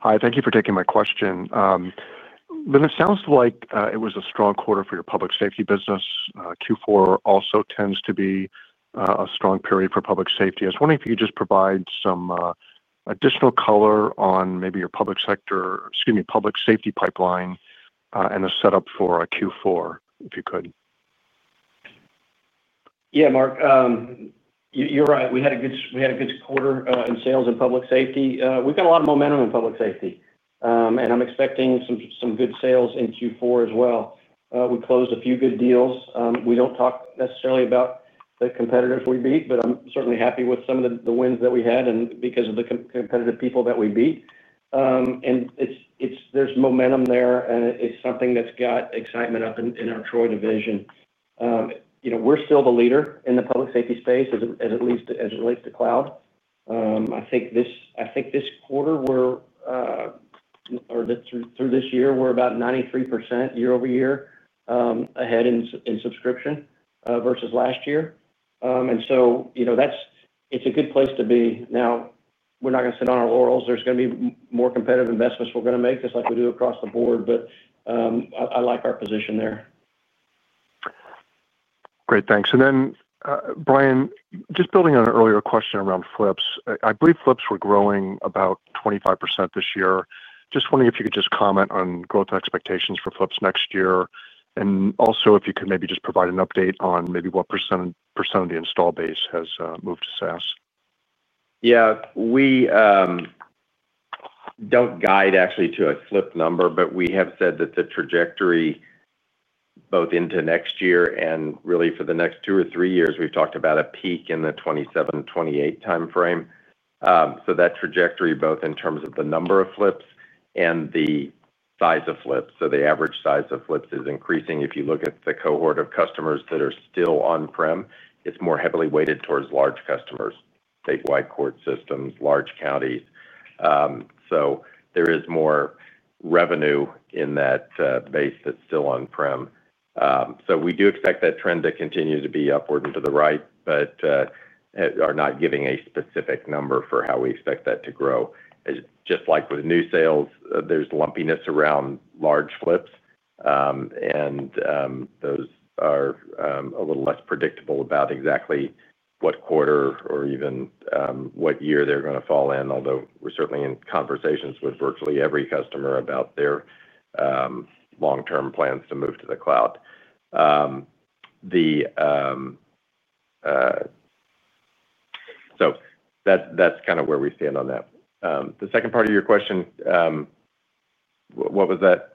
Hi. Thank you for taking my question, Lynn. It sounds like it was a strong quarter for your public safety business Q4 also tends to be strong period for public safety. I was wondering if you could just provide some additional color on maybe your public safety pipeline and a setup for Q4, if you could. Yeah, Mark, you're right. We had a good quarter in sales in public safety. We've got a lot of momentum in public safety, and I'm expecting some good sales in Q4 as well. We closed a few good deals. We don't talk necessarily about the competitors we beat, but I'm certainly happy with some of the wins that we had because of the competitive people that we beat, and there's momentum there. It's something that's got excitement up in our Troy division. You know, we're still the leader in the public safety space as it relates to cloud. I think this quarter or through this year we're about 93% year-over-year ahead in subscription versus last year, and that's a good place to be now. We're not going to sit on our laurels. There are going to be more competitive investments we're going to make just like we do across the board. I like our position there. Great, thanks. Brian, just building on an earlier question around flips, I believe flips. We're growing about 25% this year. Just wondering if you could comment on growth expectations for flips next year and also if you could maybe just provide an update on maybe what % of the install base has moved to SaaS. Yeah, We don't guide actually to a flip number, but we have said that the trajectory both into next year and really for the next two or three years, we've talked about a peak in the 2027-2028 timeframe. That trajectory, both in terms of the number of flips and the size of flips. The average size of flips is increasing. If you look at the cohort of customers that are still on-premises, it's more heavily weighted towards large customers, statewide court systems, large counties. There is more revenue in that base that's still on-prem. We do expect that trend to continue to be upward and to the right, but are not giving a specific number for how we expect that to grow. Just like with new sales, there's lumpiness around large flips and those are a little less predictable about exactly what quarter or even what year they're going to fall in. Although we're certainly in conversations with virtually every customer about their long-term plans to move to the cloud. That's kind of where we stand on that. The second part of your question, what was that?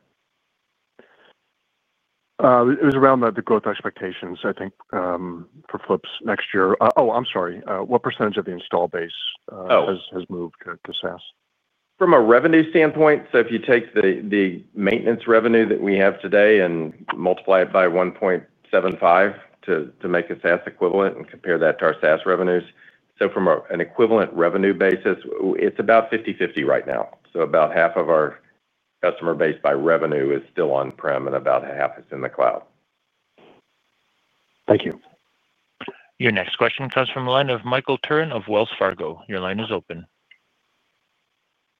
It was around the growth expectations, I think, for flips next year. Oh, I'm sorry. What percentage of the install base has moved to SaaS? From a revenue standpoint? If you take the maintenance revenue that we have today and multiply it by 1.75 to make a SaaS equivalent and compare that to our SaaS revenues, from an equivalent revenue basis, it's about 50/50 right now. About half of our customer base by revenue is still on-prem and about half is in the cloud. Thank you. Your next question comes from the line of Michael Turin of Wells Fargo. Your line is open.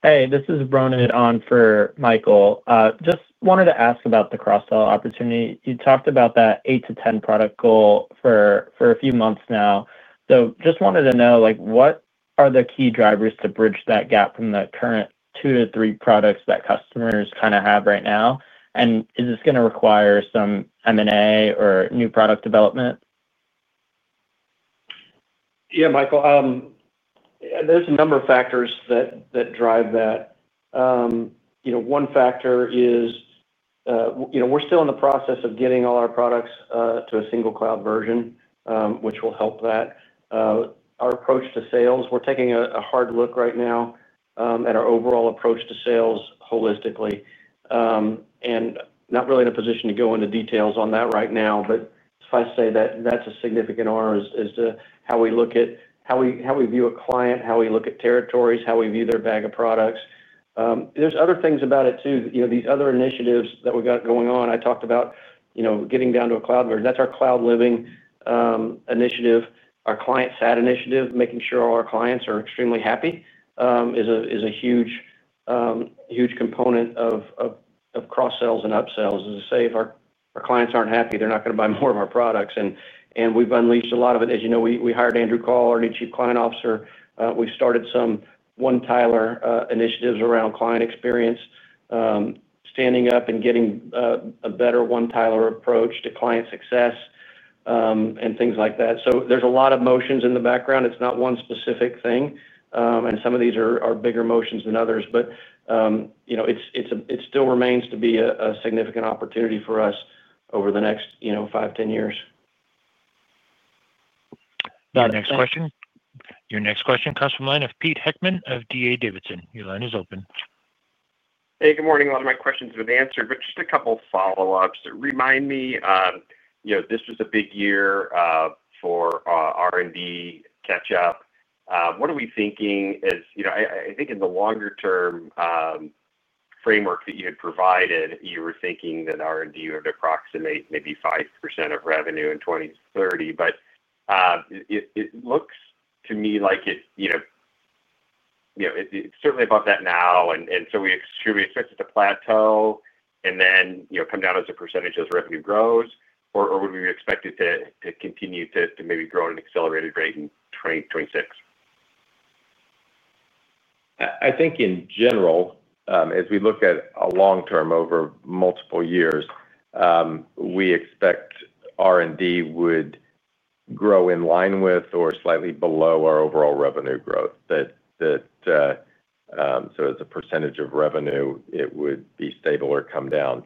Hey, this is Broni on for Michael. Just wanted to ask about the cross-sell opportunity. You talked about that 8-10 product goal for a few months now. I just wanted to know, like, what are the key drivers to bridge that gap from the current two to three products that customers kind of have right now? Is this going to require some M&A or new product development? Yeah, Michael, there's a number of factors that drive that. One factor is we're still in the process of getting all our products to a single cloud version, which will help our approach to sales. We're taking a hard look right now at our overall approach to sales holistically and not really in a position to go into details on that right now, but if I say that that's a significant R is how we look at how we view a client, how we look at territories, how we view their bag of products. There are other things about it too, these other initiatives that we've got going on. I talked about getting down to a cloud version. That's our cloud living initiative, our client sat initiative. Making sure all our clients are extremely happy is a huge, huge component of cross-sells and upsells. If our clients aren't happy, they're not going to buy more of our products. We've unleashed a lot of it. As you know, we hired Andrew Teed, our new Chief Client Officer. We started some One Tyler initiatives around client experience, standing up and getting a better One Tyler approach to client success and things like that. There are a lot of motions in the background. It's not one specific thing and some of these are bigger motions than others. It still remains to be a significant opportunity for us over the next five, ten years. Next question. Your next question comes from the line of Peter Heckman of D.A. Davidson. Your line is open. Hey, good morning. A lot of my questions have been just a couple follow ups. Remind me, this was a big year for R&D catch up. What are we thinking? As you know, I think in the longer term framework that you had provided, you were thinking that R&D would approximate maybe 5% of revenue in 2030. It looks to me like it's certainly above that now. Should we expect it to plateau and then come down as a percentage as revenue grows, or would we expect it to continue to maybe grow at an accelerated rate in 2026? I think in general, as we look at a long term, over multiple years, we expect R&D would grow in line with or slightly below our overall revenue growth. As a percentage of revenue, it would be stable or come down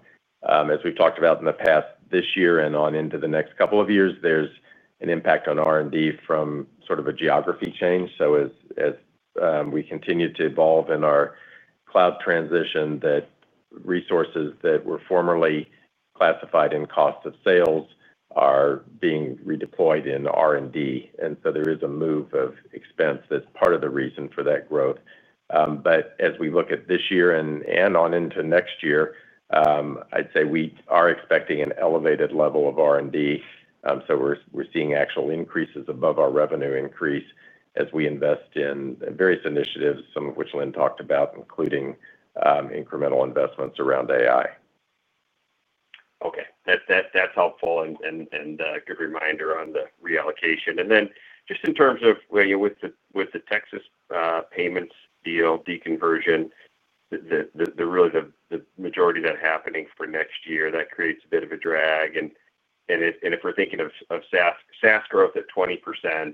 as we've talked about in the past. This year and on into the next couple of years, there's an impact on R&D from sort of a geography change. As we continue to evolve in our cloud transition, resources that were formerly classified in cost of sales are being redeployed in R&D. There is a move of expense that's part of the reason for that growth. As we look at this year and on into next year, I'd say we are expecting an elevated level of R&D. We're seeing actual increases above our revenue increase as we invest in various initiatives, some of which Lynn talked about, including incremental investments around AI. That's helpful and good reminder on the reallocation. In terms of with the Texas payments deal, deconversion, really the majority of that happening for next year, that creates a bit of a drag. If we're thinking of SaaS growth at 20%,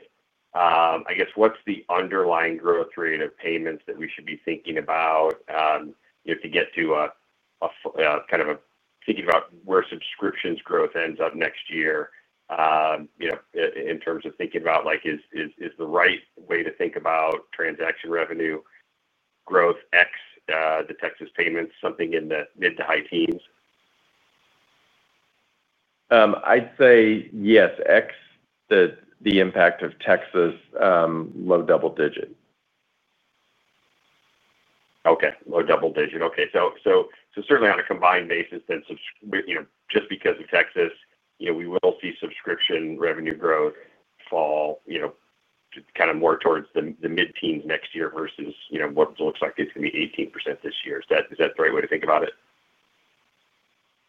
I guess what's the underlying growth rate of payments that we should be thinking about to get to kind of thinking about where subscriptions growth ends up next year in terms of thinking about like is the right way to think about transaction revenue growth, excluding the Texas payments, something in the mid to high teens? I'd say yes. Excluding the impact of Texas, low double digit. Okay. Low double digit. Okay. Certainly on a combined basis, just because of Texas, we will see subscription revenue growth fall kind of more towards the mid teens next year versus what looks like it's going to be 18% this year is that the right way to think about it?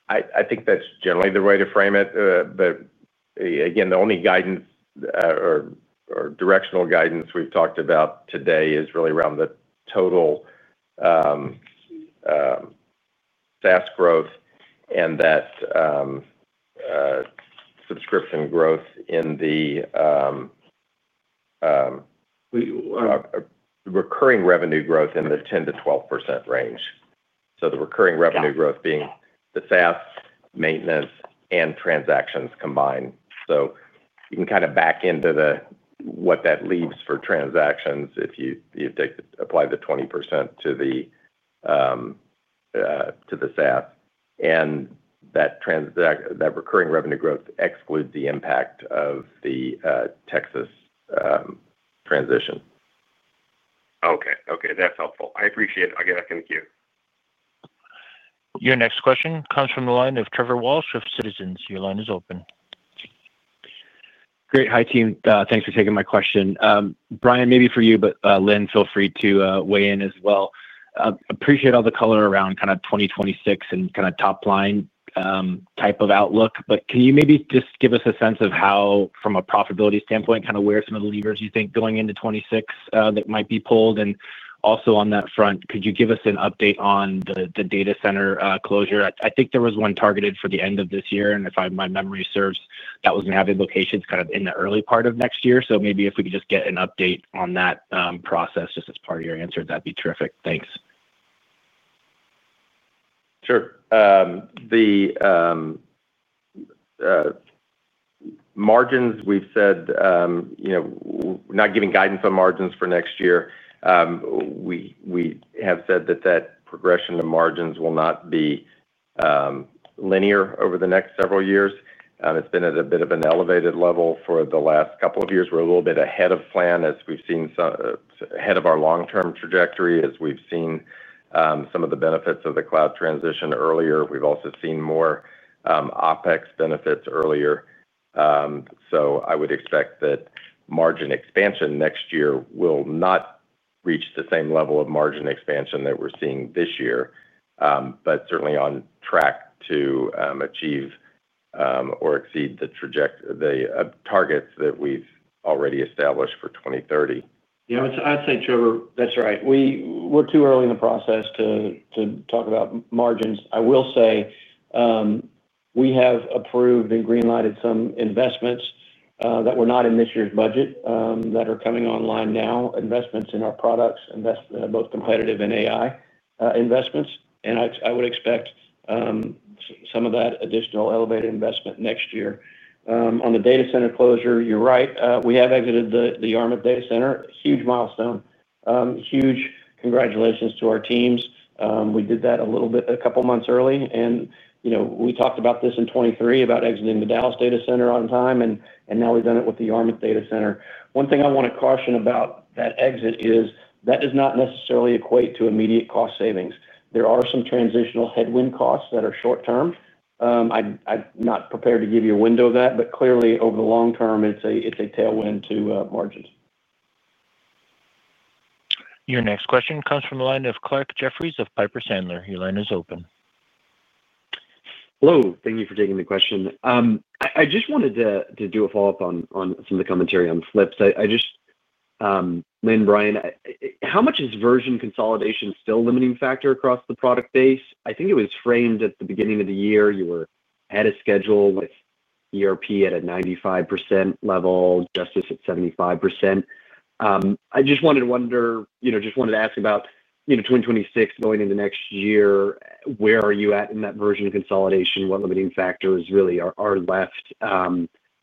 I think that's generally the way to frame it. Again, the only guidance or directional guidance we've talked about today is really around the total SaaS growth and that subscription growth in the recurring revenue growth in the 10%-12% range. The recurring revenue growth being the SaaS, maintenance, and transactions combined. You can kind of back into what that leaves for transactions. If you apply the 20% to the SaaS, that recurring revenue growth excludes the impact of the Texas transition. Okay, that's helpful. I appreciate it. I'll get back in queue. Your next question comes from the line of Trevor Walsh of Citizens. Your line is open. Great. Hi team. Thanks for taking my question, Brian, maybe for you, but Lynn, feel free to appreciate all the color around kind of 2026 and kind of top line type of outlook. Can you maybe just give us a sense of how from a profitability standpoint, kind of where some of the levers you think going into 2026 that might be pulled. Also, on that front, could you give us an update on the data center? I think there was one targeted for the end of this year, and if my memory serves, that was going to have implications kind of in the early part of next year if we could just get an update on that process as part of your answer, that'd be terrific. Thanks. Sure. The margins. We've said, you know, not giving guidance on margins for next year. We have said that that progression to margins will not be linear over the next several years. It's been at a bit of an elevated level for the last couple of years. We're a little bit ahead of plan as we've seen ahead of our long term trajectory as we've seen some of the benefits of the cloud transition earlier. We've also seen more OpEx benefits earlier. I would expect that margin expansion next year will not reach the same level of margin expansion that we're seeing this year, but certainly on track to achieve or exceed the trajectory the targets that we've already established for 2030. Yeah, I'd say, Trevor, that's right. We're too early in the process to talk about margins. I will say we have approved and greenlighted some investments that were not in this year's budget that are coming online now. Investments in our products, both competitive and AI investments. I would expect some of that additional elevated investment next year on the data center closure. You're right, we have exited the Yarmouth Data Center. Huge milestone. Huge congratulations to our teams. We did that a little bit a couple months early. You know, we talked about this in 2023 about exiting the Dallas Data Center on time and now we've done it with the Yarmouth Data Center. One thing I want to caution about that exit is that does not necessarily equate to immediate cost savings. There are some transitional headwind costs that are short term. I'm not prepared to give you a window of that, but clearly over the long term, it's a tailwind to margins. Your next question comes from the line of Clarke Jeffries of Piper Sandler. Your line is open. Hello. Thank you for taking the question. I just wanted to do a follow up on some of the commentary on flips. Lynn, Brian, how much is version consolidation still a limiting factor across the product base? I think it was framed at the beginning of the year. You were ahead of schedule with ERP at a 95% level, justice at 75%. I just wanted to wonder, you know, just wanted to ask about, you know, 2026 going into next year. Where are you at in that version consolidation? What limiting factors really are left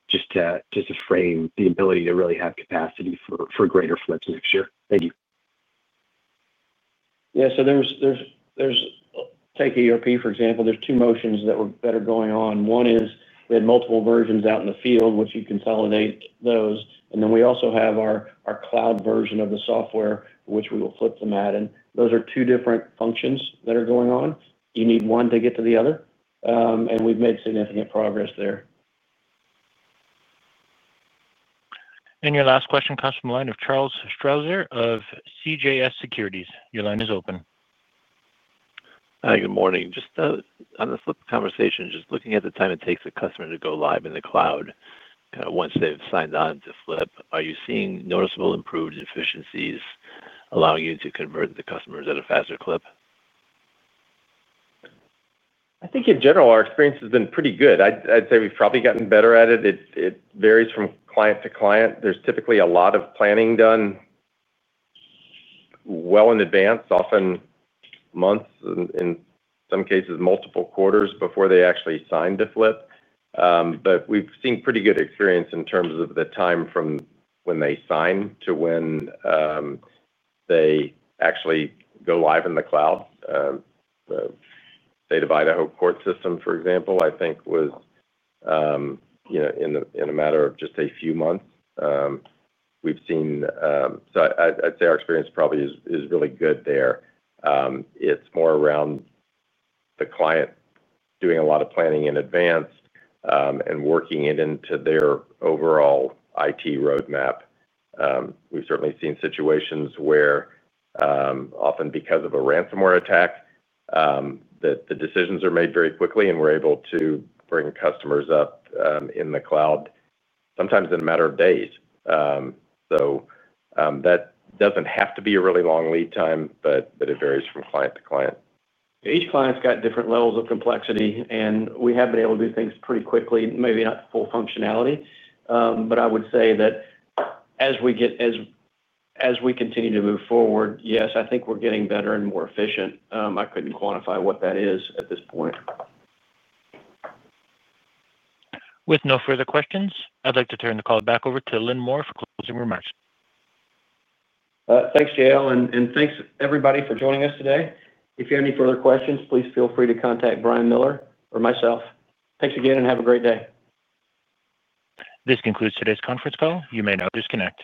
just to frame the ability to really have capacity for greater flips next year. Thank you. Yeah, so there's, take ERP, for example. There's two motions that are going on. One is we had multiple versions out in the field, which you consolidate those. We also have our cloud version of the software, which we will flip them at. Those are two different functions that are going on. You need one to get to the other. We've made significant progress there. Your last question comes from the line of Charles Strausser of CJS Securities. Your line is open. Hi, good morning. Just on the flip conversation, just looking at the time it takes customers to go live in the cloud once they've signed on to flip, are you seeing noticeable improved efficiencies allowing you to convert the customers at a faster clip? I think in general, our experience has been pretty good. I'd say we've probably gotten better at it. It varies from client to client. There's typically a lot of planning done well in advance, often months and weeks, in some cases multiple quarters before they actually sign a flip. We've seen pretty good experience in terms of the time from when they sign to when they actually go live in the cloud. State of Idaho court system, for example, I think was in a matter of just a few months we've seen. I'd say our experience probably is really good. It's more around the client doing a lot of planning in advance and working it into their overall IT roadmap. We've certainly seen situations where, often because of a ransomware attack, the decisions are made very quickly and we're able to bring customers up in the cloud sometimes in a matter of days. That doesn't have to be a really long lead time. It varies from client to client. Each client's got different levels of complexity, and we have been able to do things pretty quickly. Maybe not full functionality, but I would say that as we continue to move forward, yes, I think we're getting better and more efficient. I couldn't quantify what that is at this point. With no further questions, I'd like to turn the call back over to Lynn Moore for closing remarks. Thanks, Dale, and thanks everybody for joining us today. If you have any further questions, please feel free to contact Brian Miller or myself. Thanks again and have a great day. This concludes today's conference call. You may now disconnect.